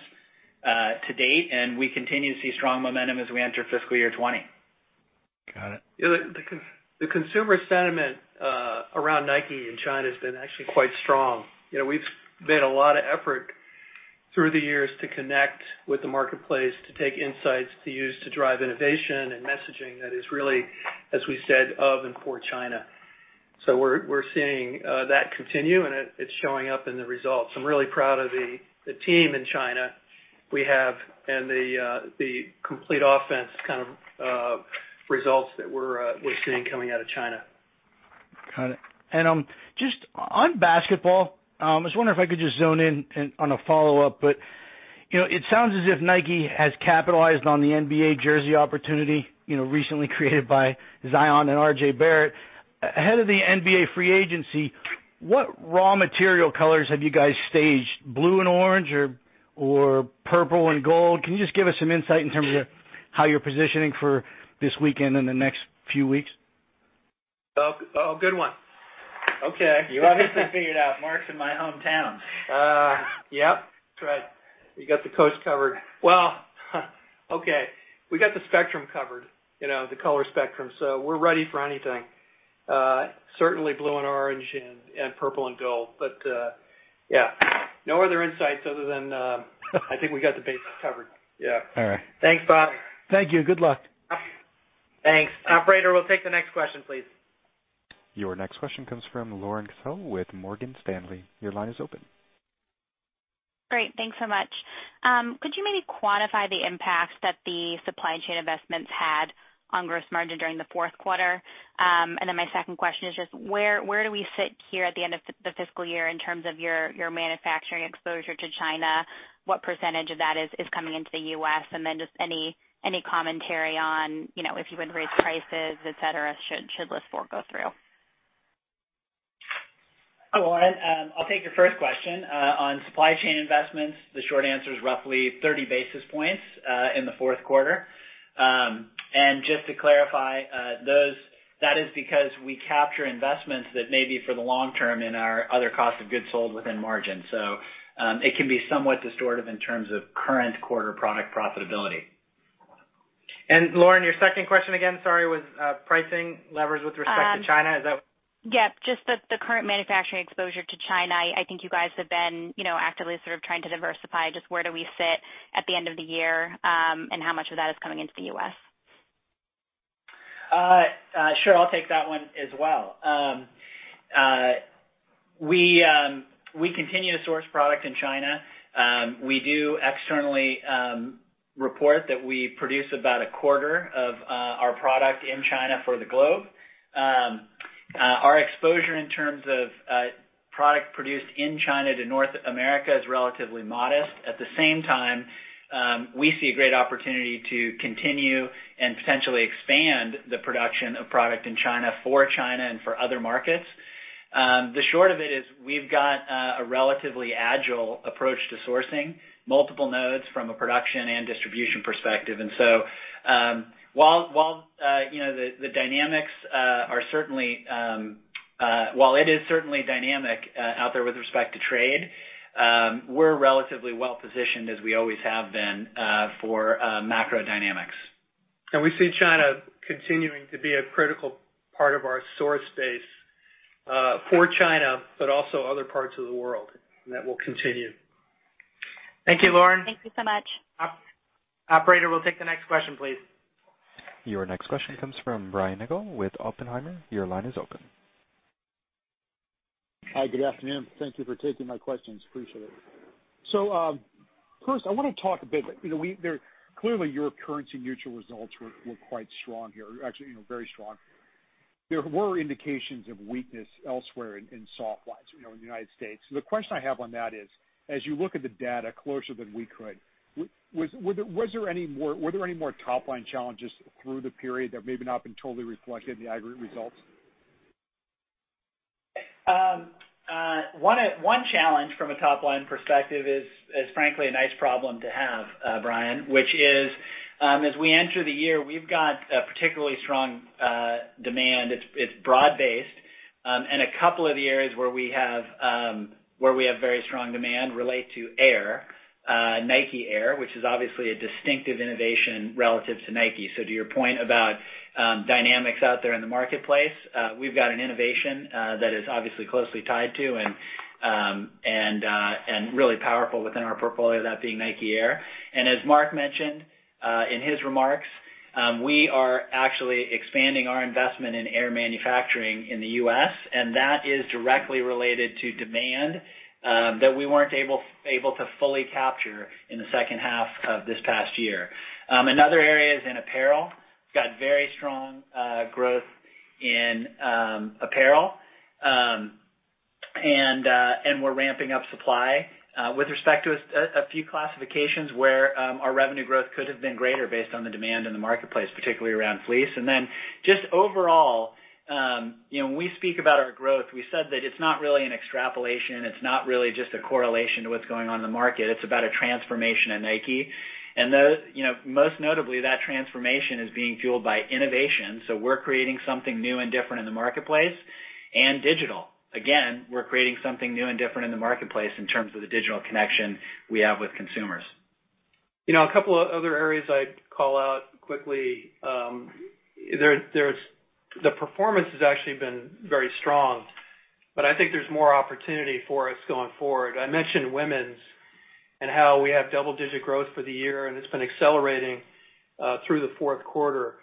to date, and we continue to see strong momentum as we enter fiscal year 2020. Got it. The consumer sentiment around NIKE in China has been actually quite strong. We've made a lot of effort through the years to connect with the marketplace, to take insights, to use to drive innovation and messaging that is really, as we said, of and for China. We're seeing that continue, and it's showing up in the results. I'm really proud of the team in China we have and the complete offense kind of results that we're seeing coming out of China. Got it. Just on basketball, I was wondering if I could just zone in on a follow-up, it sounds as if NIKE has capitalized on the NBA jersey opportunity recently created by Zion and RJ Barrett. Ahead of the NBA free agency, what raw material colors have you guys staged? Blue and orange or purple and gold? Can you just give us some insight in terms of how you're positioning for this weekend and the next few weeks? Good one. Okay. You obviously figured out Mark's in my hometown. Yep. That's right. We got the coast covered. Well, okay. We got the spectrum covered, the color spectrum. We're ready for anything. Certainly, blue and orange and purple and gold, but yeah. No other insights other than, I think we got the bases covered. Yeah. All right. Thanks, Bob. Thank you. Good luck. Thanks. Operator, we'll take the next question, please. Your next question comes from Lauren Cassel with Morgan Stanley. Your line is open. Great. Thanks so much. Could you maybe quantify the impact that the supply chain investments had on gross margin during the fourth quarter? My second question is just where do we sit here at the end of the fiscal year in terms of your manufacturing exposure to China? What percentage of that is coming into the U.S.? Just any commentary on if you would raise prices, et cetera, should this go through. Lauren, I'll take your first question. On supply chain investments, the short answer is roughly 30 basis points in the fourth quarter. Just to clarify, that is because we capture investments that may be for the long term in our other cost of goods sold within margin. It can be somewhat distortive in terms of current quarter product profitability. Lauren, your second question again, sorry, was pricing levers with respect to China? Is that? Yep. Just the current manufacturing exposure to China. I think you guys have been actively sort of trying to diversify. Just where do we sit at the end of the year? How much of that is coming into the U.S.? Sure. I'll take that one as well. We continue to source product in China. We do externally report that we produce about a quarter of our product in China for the globe. Our exposure in terms of product produced in China to North America is relatively modest. At the same time, we see a great opportunity to continue and potentially expand the production of product in China for China and for other markets. The short of it is we've got a relatively agile approach to sourcing multiple nodes from a production and distribution perspective. While it is certainly dynamic out there with respect to trade, we're relatively well positioned, as we always have been, for macro dynamics. We see China continuing to be a critical part of our source base for China, but also other parts of the world, and that will continue. Thank you, Lauren. Thank you so much. Operator, we'll take the next question, please. Your next question comes from Brian Nagel with Oppenheimer. Your line is open. Hi, good afternoon. Thank you for taking my questions. Appreciate it. First, I want to talk a bit. Clearly, your currency neutral results were quite strong here, actually, very strong. There were indications of weakness elsewhere in softlines, in the United States. The question I have on that is, as you look at the data closer than we could, were there any more top-line challenges through the period that maybe have not been totally reflected in the aggregate results? One challenge from a top-line perspective is, frankly, a nice problem to have, Brian, which is, as we enter the year, we've got a particularly strong demand. It's broad-based. A couple of the areas where we have very strong demand relate to Air, NIKE Air, which is obviously a distinctive innovation relative to NIKE. To your point about dynamics out there in the marketplace, we've got an innovation that is obviously closely tied to and really powerful within our portfolio, that being NIKE Air. As Mark mentioned in his remarks, we are actually expanding our investment in Air manufacturing in the U.S., and that is directly related to demand that we weren't able to fully capture in the second half of this past year. Another area is in apparel. We've got very strong growth in apparel. We're ramping up supply with respect to a few classifications where our revenue growth could have been greater based on the demand in the marketplace, particularly around fleece. Just overall, when we speak about our growth, we said that it's not really an extrapolation. It's not really just a correlation to what's going on in the market. It's about a transformation at NIKE. Most notably, that transformation is being fueled by innovation. We're creating something new and different in the marketplace and digital. Again, we're creating something new and different in the marketplace in terms of the digital connection we have with consumers. A couple other areas I'd call out quickly. The performance has actually been very strong, I think there's more opportunity for us going forward. I mentioned women's and how we have double-digit growth for the year, and it's been accelerating through the fourth quarter.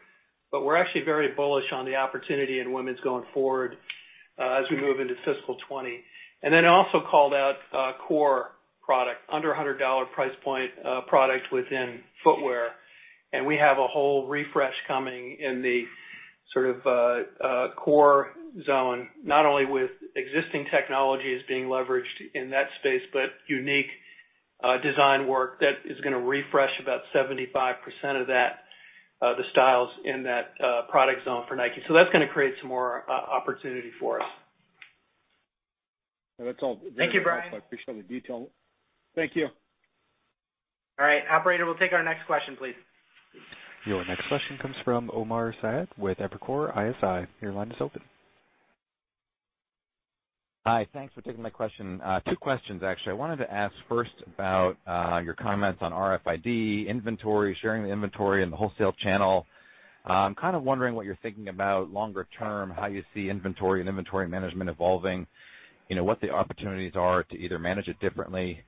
We're actually very bullish on the opportunity in women's going forward as we move into fiscal 2020. I also called out core product, under $100 price point product within footwear. We have a whole refresh coming in the core zone, not only with existing technologies being leveraged in that space, but unique design work that is going to refresh about 75% of the styles in that product zone for NIKE. That's going to create some more opportunity for us. That's all. Thank you, Brian. I appreciate all the detail. Thank you. All right. Operator, we'll take our next question, please. Your next question comes from Omar Saad with Evercore ISI. Your line is open. Hi. Thanks for taking my question. Two questions, actually. I wanted to ask first about your comments on RFID, inventory, sharing the inventory in the wholesale channel. I'm kind of wondering what you're thinking about longer term, how you see inventory and inventory management evolving. What the opportunities are to either manage it differently,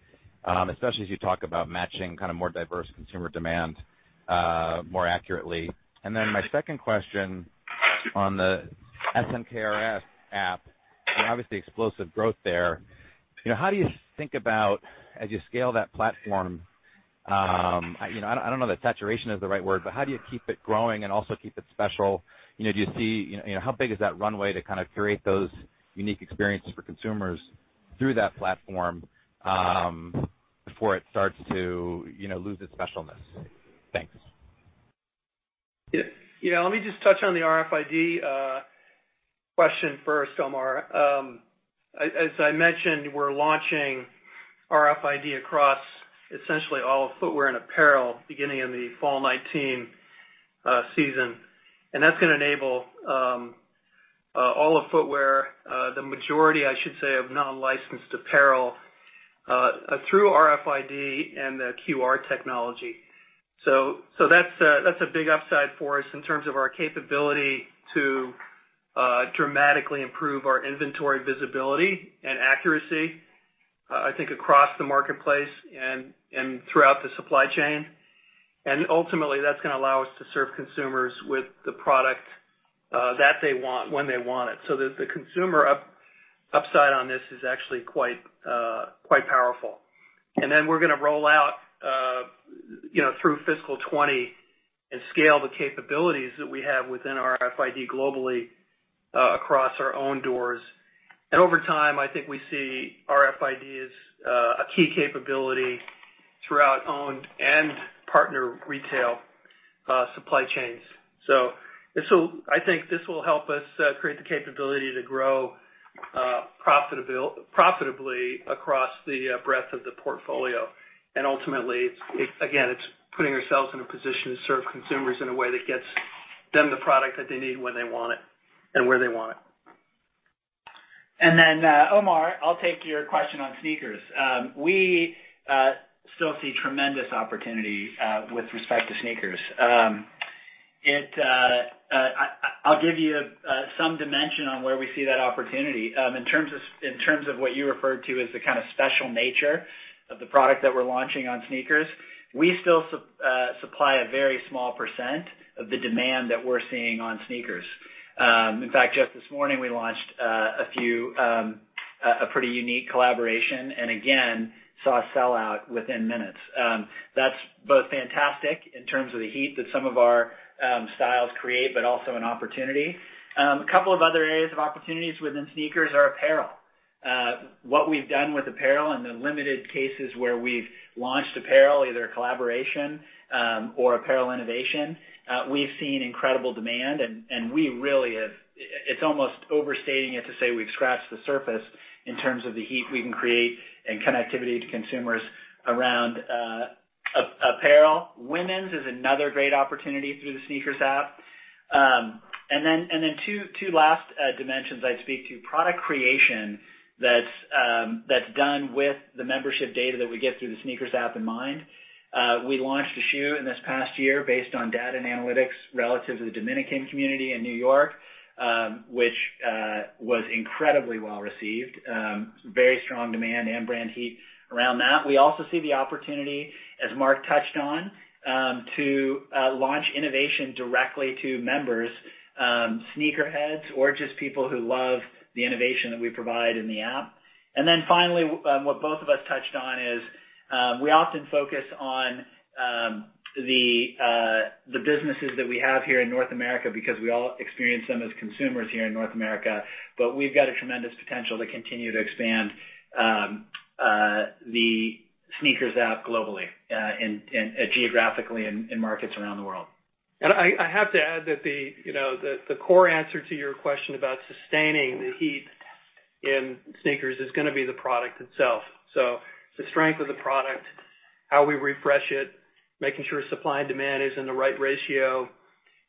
especially as you talk about matching more diverse consumer demand more accurately. My second question on the SNKRS app and obviously explosive growth there. How do you think about as you scale that platform, I don't know that saturation is the right word, but how do you keep it growing and also keep it special? How big is that runway to create those unique experiences for consumers through that platform before it starts to lose its specialness? Thanks. Let me just touch on the RFID question first, Omar. As I mentioned, we're launching RFID across essentially all of footwear and apparel beginning in the fall 2019 season. That's going to enable all of footwear, the majority, I should say, of non-licensed apparel, through RFID and the QR technology. That's a big upside for us in terms of our capability to dramatically improve our inventory visibility and accuracy, I think across the marketplace and throughout the supply chain. Ultimately, that's going to allow us to serve consumers with the product that they want when they want it. We're going to roll out through fiscal 2020 and scale the capabilities that we have within RFID globally across our own doors. Over time, I think we see RFID as a key capability throughout owned and partner retail supply chains. I think this will help us create the capability to grow profitably across the breadth of the portfolio. Ultimately, again, it's putting ourselves in a position to serve consumers in a way that gets them the product that they need when they want it and where they want it. Omar, I'll take your question on SNKRS. We still see tremendous opportunity with respect to SNKRS. I'll give you some dimension on where we see that opportunity. In terms of what you referred to as the kind of special nature of the product that we're launching on SNKRS, we still supply a very small percent of the demand that we're seeing on SNKRS. In fact, just this morning, we launched a pretty unique collaboration and again, saw a sell-out within minutes. That's both fantastic in terms of the heat that some of our styles create, but also an opportunity. A couple of other areas of opportunities within SNKRS are apparel. What we've done with apparel in the limited cases where we've launched apparel, either a collaboration or apparel innovation, we've seen incredible demand, and it's almost overstating it to say we've scratched the surface in terms of the heat we can create and connectivity to consumers around apparel. Women's is another great opportunity through the SNKRS app. Two last dimensions I'd speak to. Product creation that's done with the membership data that we get through the SNKRS app in mind. We launched a shoe in this past year based on data and analytics relative to the Dominican community in New York, which was incredibly well received. Very strong demand and brand heat around that. We also see the opportunity, as Mark touched on, to launch innovation directly to members, sneaker heads, or just people who love the innovation that we provide in the app. Finally, what both of us touched on is, we often focus on the businesses that we have here in North America because we all experience them as consumers here in North America, but we've got a tremendous potential to continue to expand the SNKRS app globally and geographically in markets around the world. I have to add that the core answer to your question about sustaining the heat in SNKRS is going to be the product itself. The strength of the product, how we refresh it, making sure supply and demand is in the right ratio.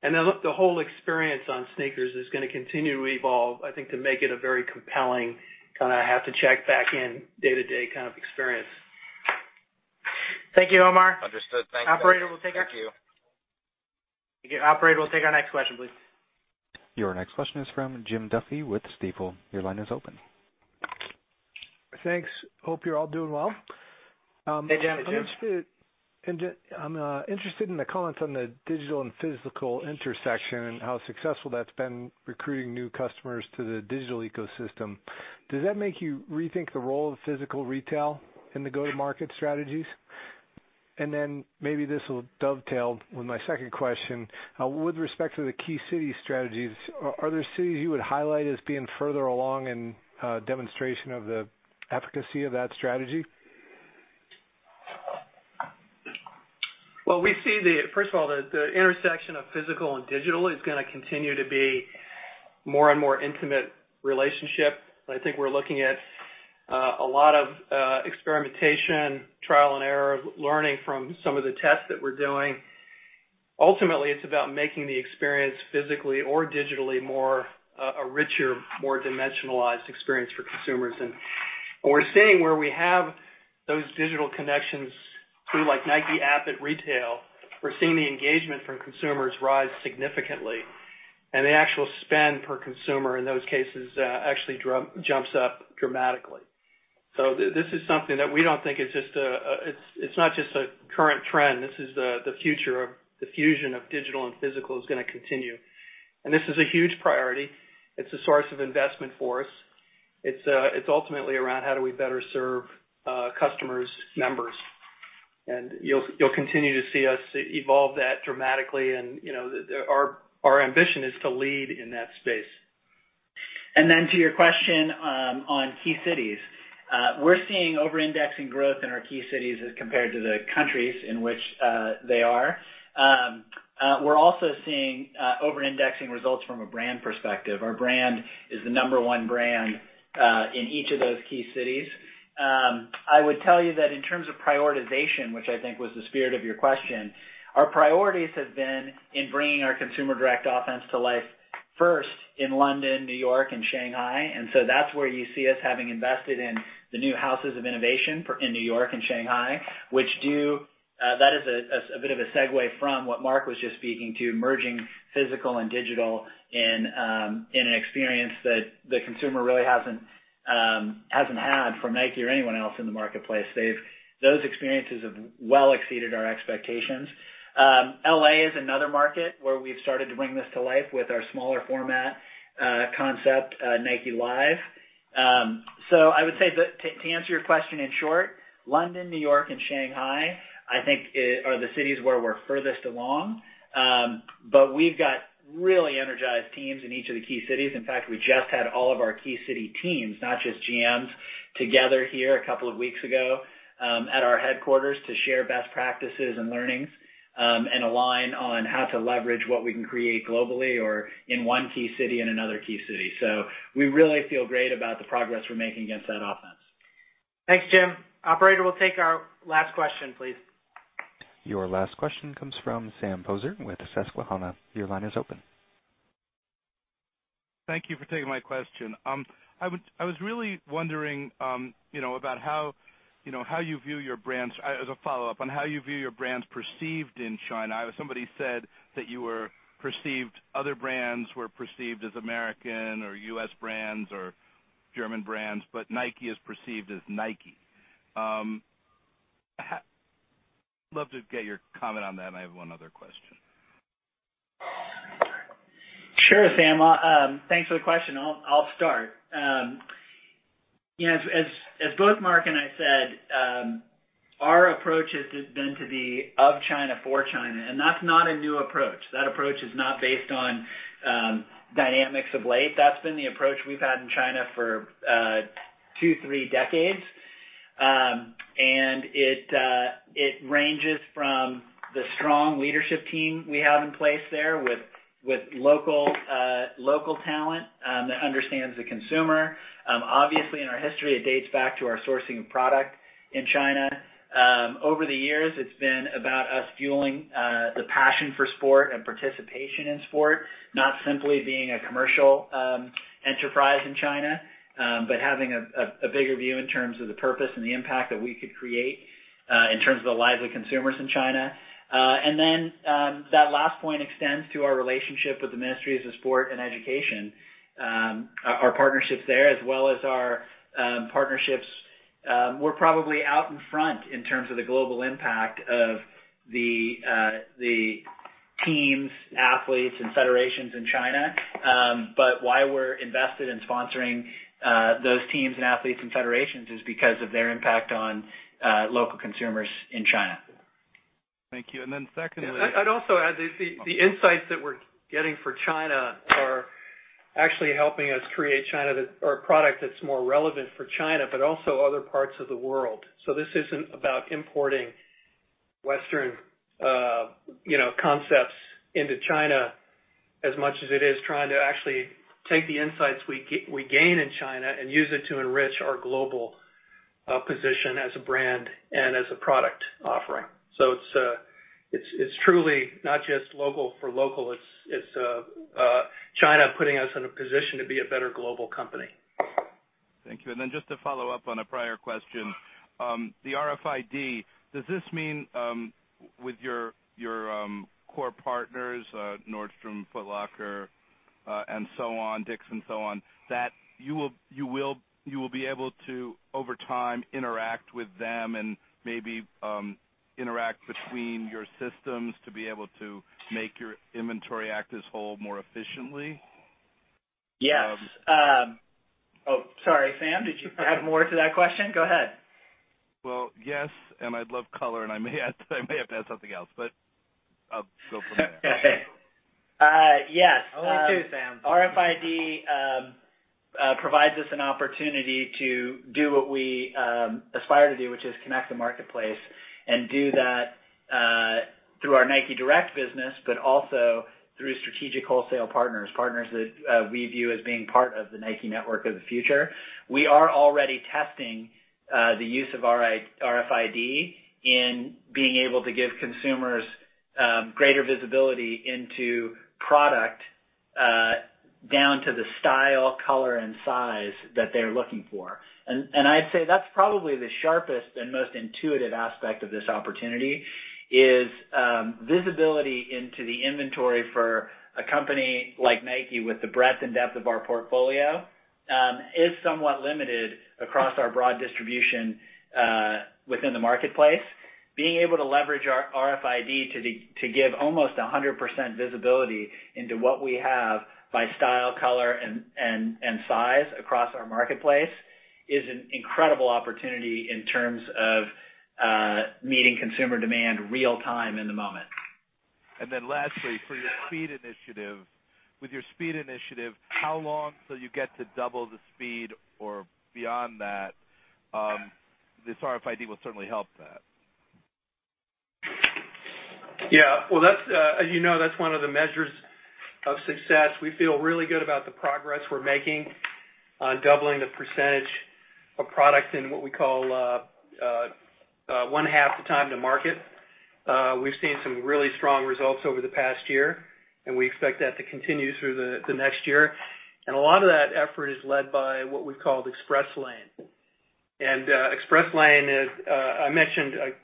The whole experience on SNKRS is going to continue to evolve, I think, to make it a very compelling kind of have to check back in day to day kind of experience. Thank you, Omar. Understood. Thank you. Operator, we'll take our- Thank you. Operator, we'll take our next question, please. Your next question is from Jim Duffy with Stifel. Your line is open. Thanks. Hope you're all doing well. Hey, Jim. Hey, Jim. I'm interested in the comments on the digital and physical intersection and how successful that's been recruiting new customers to the digital ecosystem. Does that make you rethink the role of physical retail in the go-to-market strategies? Maybe this will dovetail with my second question. With respect to the key city strategies, are there cities you would highlight as being further along in demonstration of the efficacy of that strategy? Well, first of all, the intersection of physical and digital is going to continue to be more and more intimate relationship. I think we're looking at a lot of experimentation, trial and error, learning from some of the tests that we're doing. Ultimately, it's about making the experience physically or digitally a richer, more dimensionalized experience for consumers. We're seeing where we have those digital connections through NIKE App at Retail. We're seeing the engagement from consumers rise significantly. The actual spend per consumer in those cases actually jumps up dramatically. This is something that we don't think it's not just a current trend. This is the future. The fusion of digital and physical is going to continue. This is a huge priority. It's a source of investment for us. It's ultimately around how do we better serve customers, members. You'll continue to see us evolve that dramatically. Our ambition is to lead in that space. To your question on key cities. We're seeing over-indexing growth in our key cities as compared to the countries in which they are. We're also seeing over-indexing results from a brand perspective. Our brand is the number one brand in each of those key cities. I would tell you that in terms of prioritization, which I think was the spirit of your question, our priorities have been in bringing our Consumer Direct Offense to life first in London, New York, and Shanghai. That's where you see us having invested in the new Houses of Innovation in New York and Shanghai. That is a bit of a segue from what Mark was just speaking to, merging physical and digital in an experience that the consumer really hasn't had from NIKE or anyone else in the marketplace. Those experiences have well exceeded our expectations. L.A. is another market where we've started to bring this to life with our smaller format concept, NIKE Live. I would say, to answer your question in short, London, New York, and Shanghai, I think, are the cities where we're furthest along. We've got really energized teams in each of the key cities. In fact, we just had all of our key city teams, not just GMs, together here a couple of weeks ago at our headquarters to share best practices and learnings, and align on how to leverage what we can create globally or in one key city and another key city. We really feel great about the progress we're making against that offense. Thanks, Jim. Operator, we'll take our last question, please. Your last question comes from Sam Poser with Susquehanna. Your line is open. Thank you for taking my question. I was really wondering, as a follow-up, on how you view your brands perceived in China. Somebody said that other brands were perceived as American or U.S. brands or German brands, but NIKE is perceived as NIKE. I'd love to get your comment on that, and I have one other question. Sure, Sam. Thanks for the question. I'll start. As both Mark and I said, our approach has just been to be of China, for China, and that's not a new approach. That approach is not based on dynamics of late. That's been the approach we've had in China for two, three decades. It ranges from the strong leadership team we have in place there with local talent that understands the consumer. Obviously, in our history, it dates back to our sourcing of product in China. Over the years, it's been about us fueling the passion for sport and participation in sport, not simply being a commercial enterprise in China, but having a bigger view in terms of the purpose and the impact that we could create, in terms of the lives of consumers in China. That last point extends to our relationship with the Ministries of Sport and Education, our partnerships there as well as our partnerships. We're probably out in front in terms of the global impact of the teams, athletes, and federations in China. Why we're invested in sponsoring those teams and athletes and federations is because of their impact on local consumers in China. Thank you. Secondly. I'd also add, the insights that we're getting for China are actually helping us create a product that's more relevant for China, but also other parts of the world. This isn't about importing Western concepts into China as much as it is trying to actually take the insights we gain in China and use it to enrich our global position as a brand and as a product offering. It's truly not just local for local. It's China putting us in a position to be a better global company. Thank you. Just to follow up on a prior question. The RFID, does this mean, with your core partners, Nordstrom, Foot Locker, Dick's and so on, that you will be able to, over time, interact with them and maybe interact between your systems to be able to make your inventory actors whole more efficiently? Yes. Oh, sorry, Sam, did you have more to that question? Go ahead. Well, yes, and I'd love color, and I may have to add something else, but go from there. Yes. Only two, Sam. RFID provides us an opportunity to do what we aspire to do, which is connect the marketplace and do that through our NIKE Direct business, but also through strategic wholesale partners that we view as being part of the NIKE network of the future. We are already testing the use of RFID in being able to give consumers greater visibility into product, down to the style, color, and size that they're looking for. I'd say that's probably the sharpest and most intuitive aspect of this opportunity, is visibility into the inventory for a company like NIKE with the breadth and depth of our portfolio, is somewhat limited across our broad distribution within the marketplace. Being able to leverage our RFID to give almost 100% visibility into what we have by style, color, and size across our marketplace is an incredible opportunity in terms of meeting consumer demand real time in the moment. Lastly, with your speed initiative, how long till you get to double the speed or beyond that? This RFID will certainly help that. Well, as you know, that's one of the measures of success. We feel really good about the progress we're making on doubling the percentage of product in what we call one half the time to market. We've seen some really strong results over the past year, we expect that to continue through the next year. A lot of that effort is led by what we've called Express Lane. Express Lane, I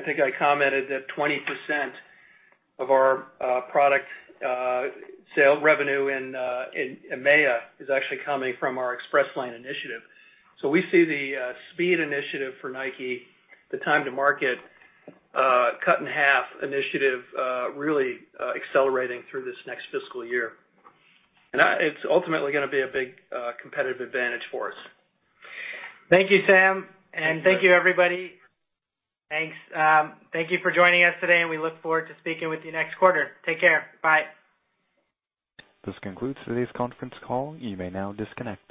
think I commented that 20% of our product sale revenue in EMEA is actually coming from our Express Lane initiative. We see the speed initiative for NIKE, the time to market cut in half initiative, really accelerating through this next fiscal year. It's ultimately going to be a big competitive advantage for us. Thank you, Sam, thank you, everybody. Thanks. Thank you for joining us today, we look forward to speaking with you next quarter. Take care. Bye. This concludes today's conference call. You may now disconnect.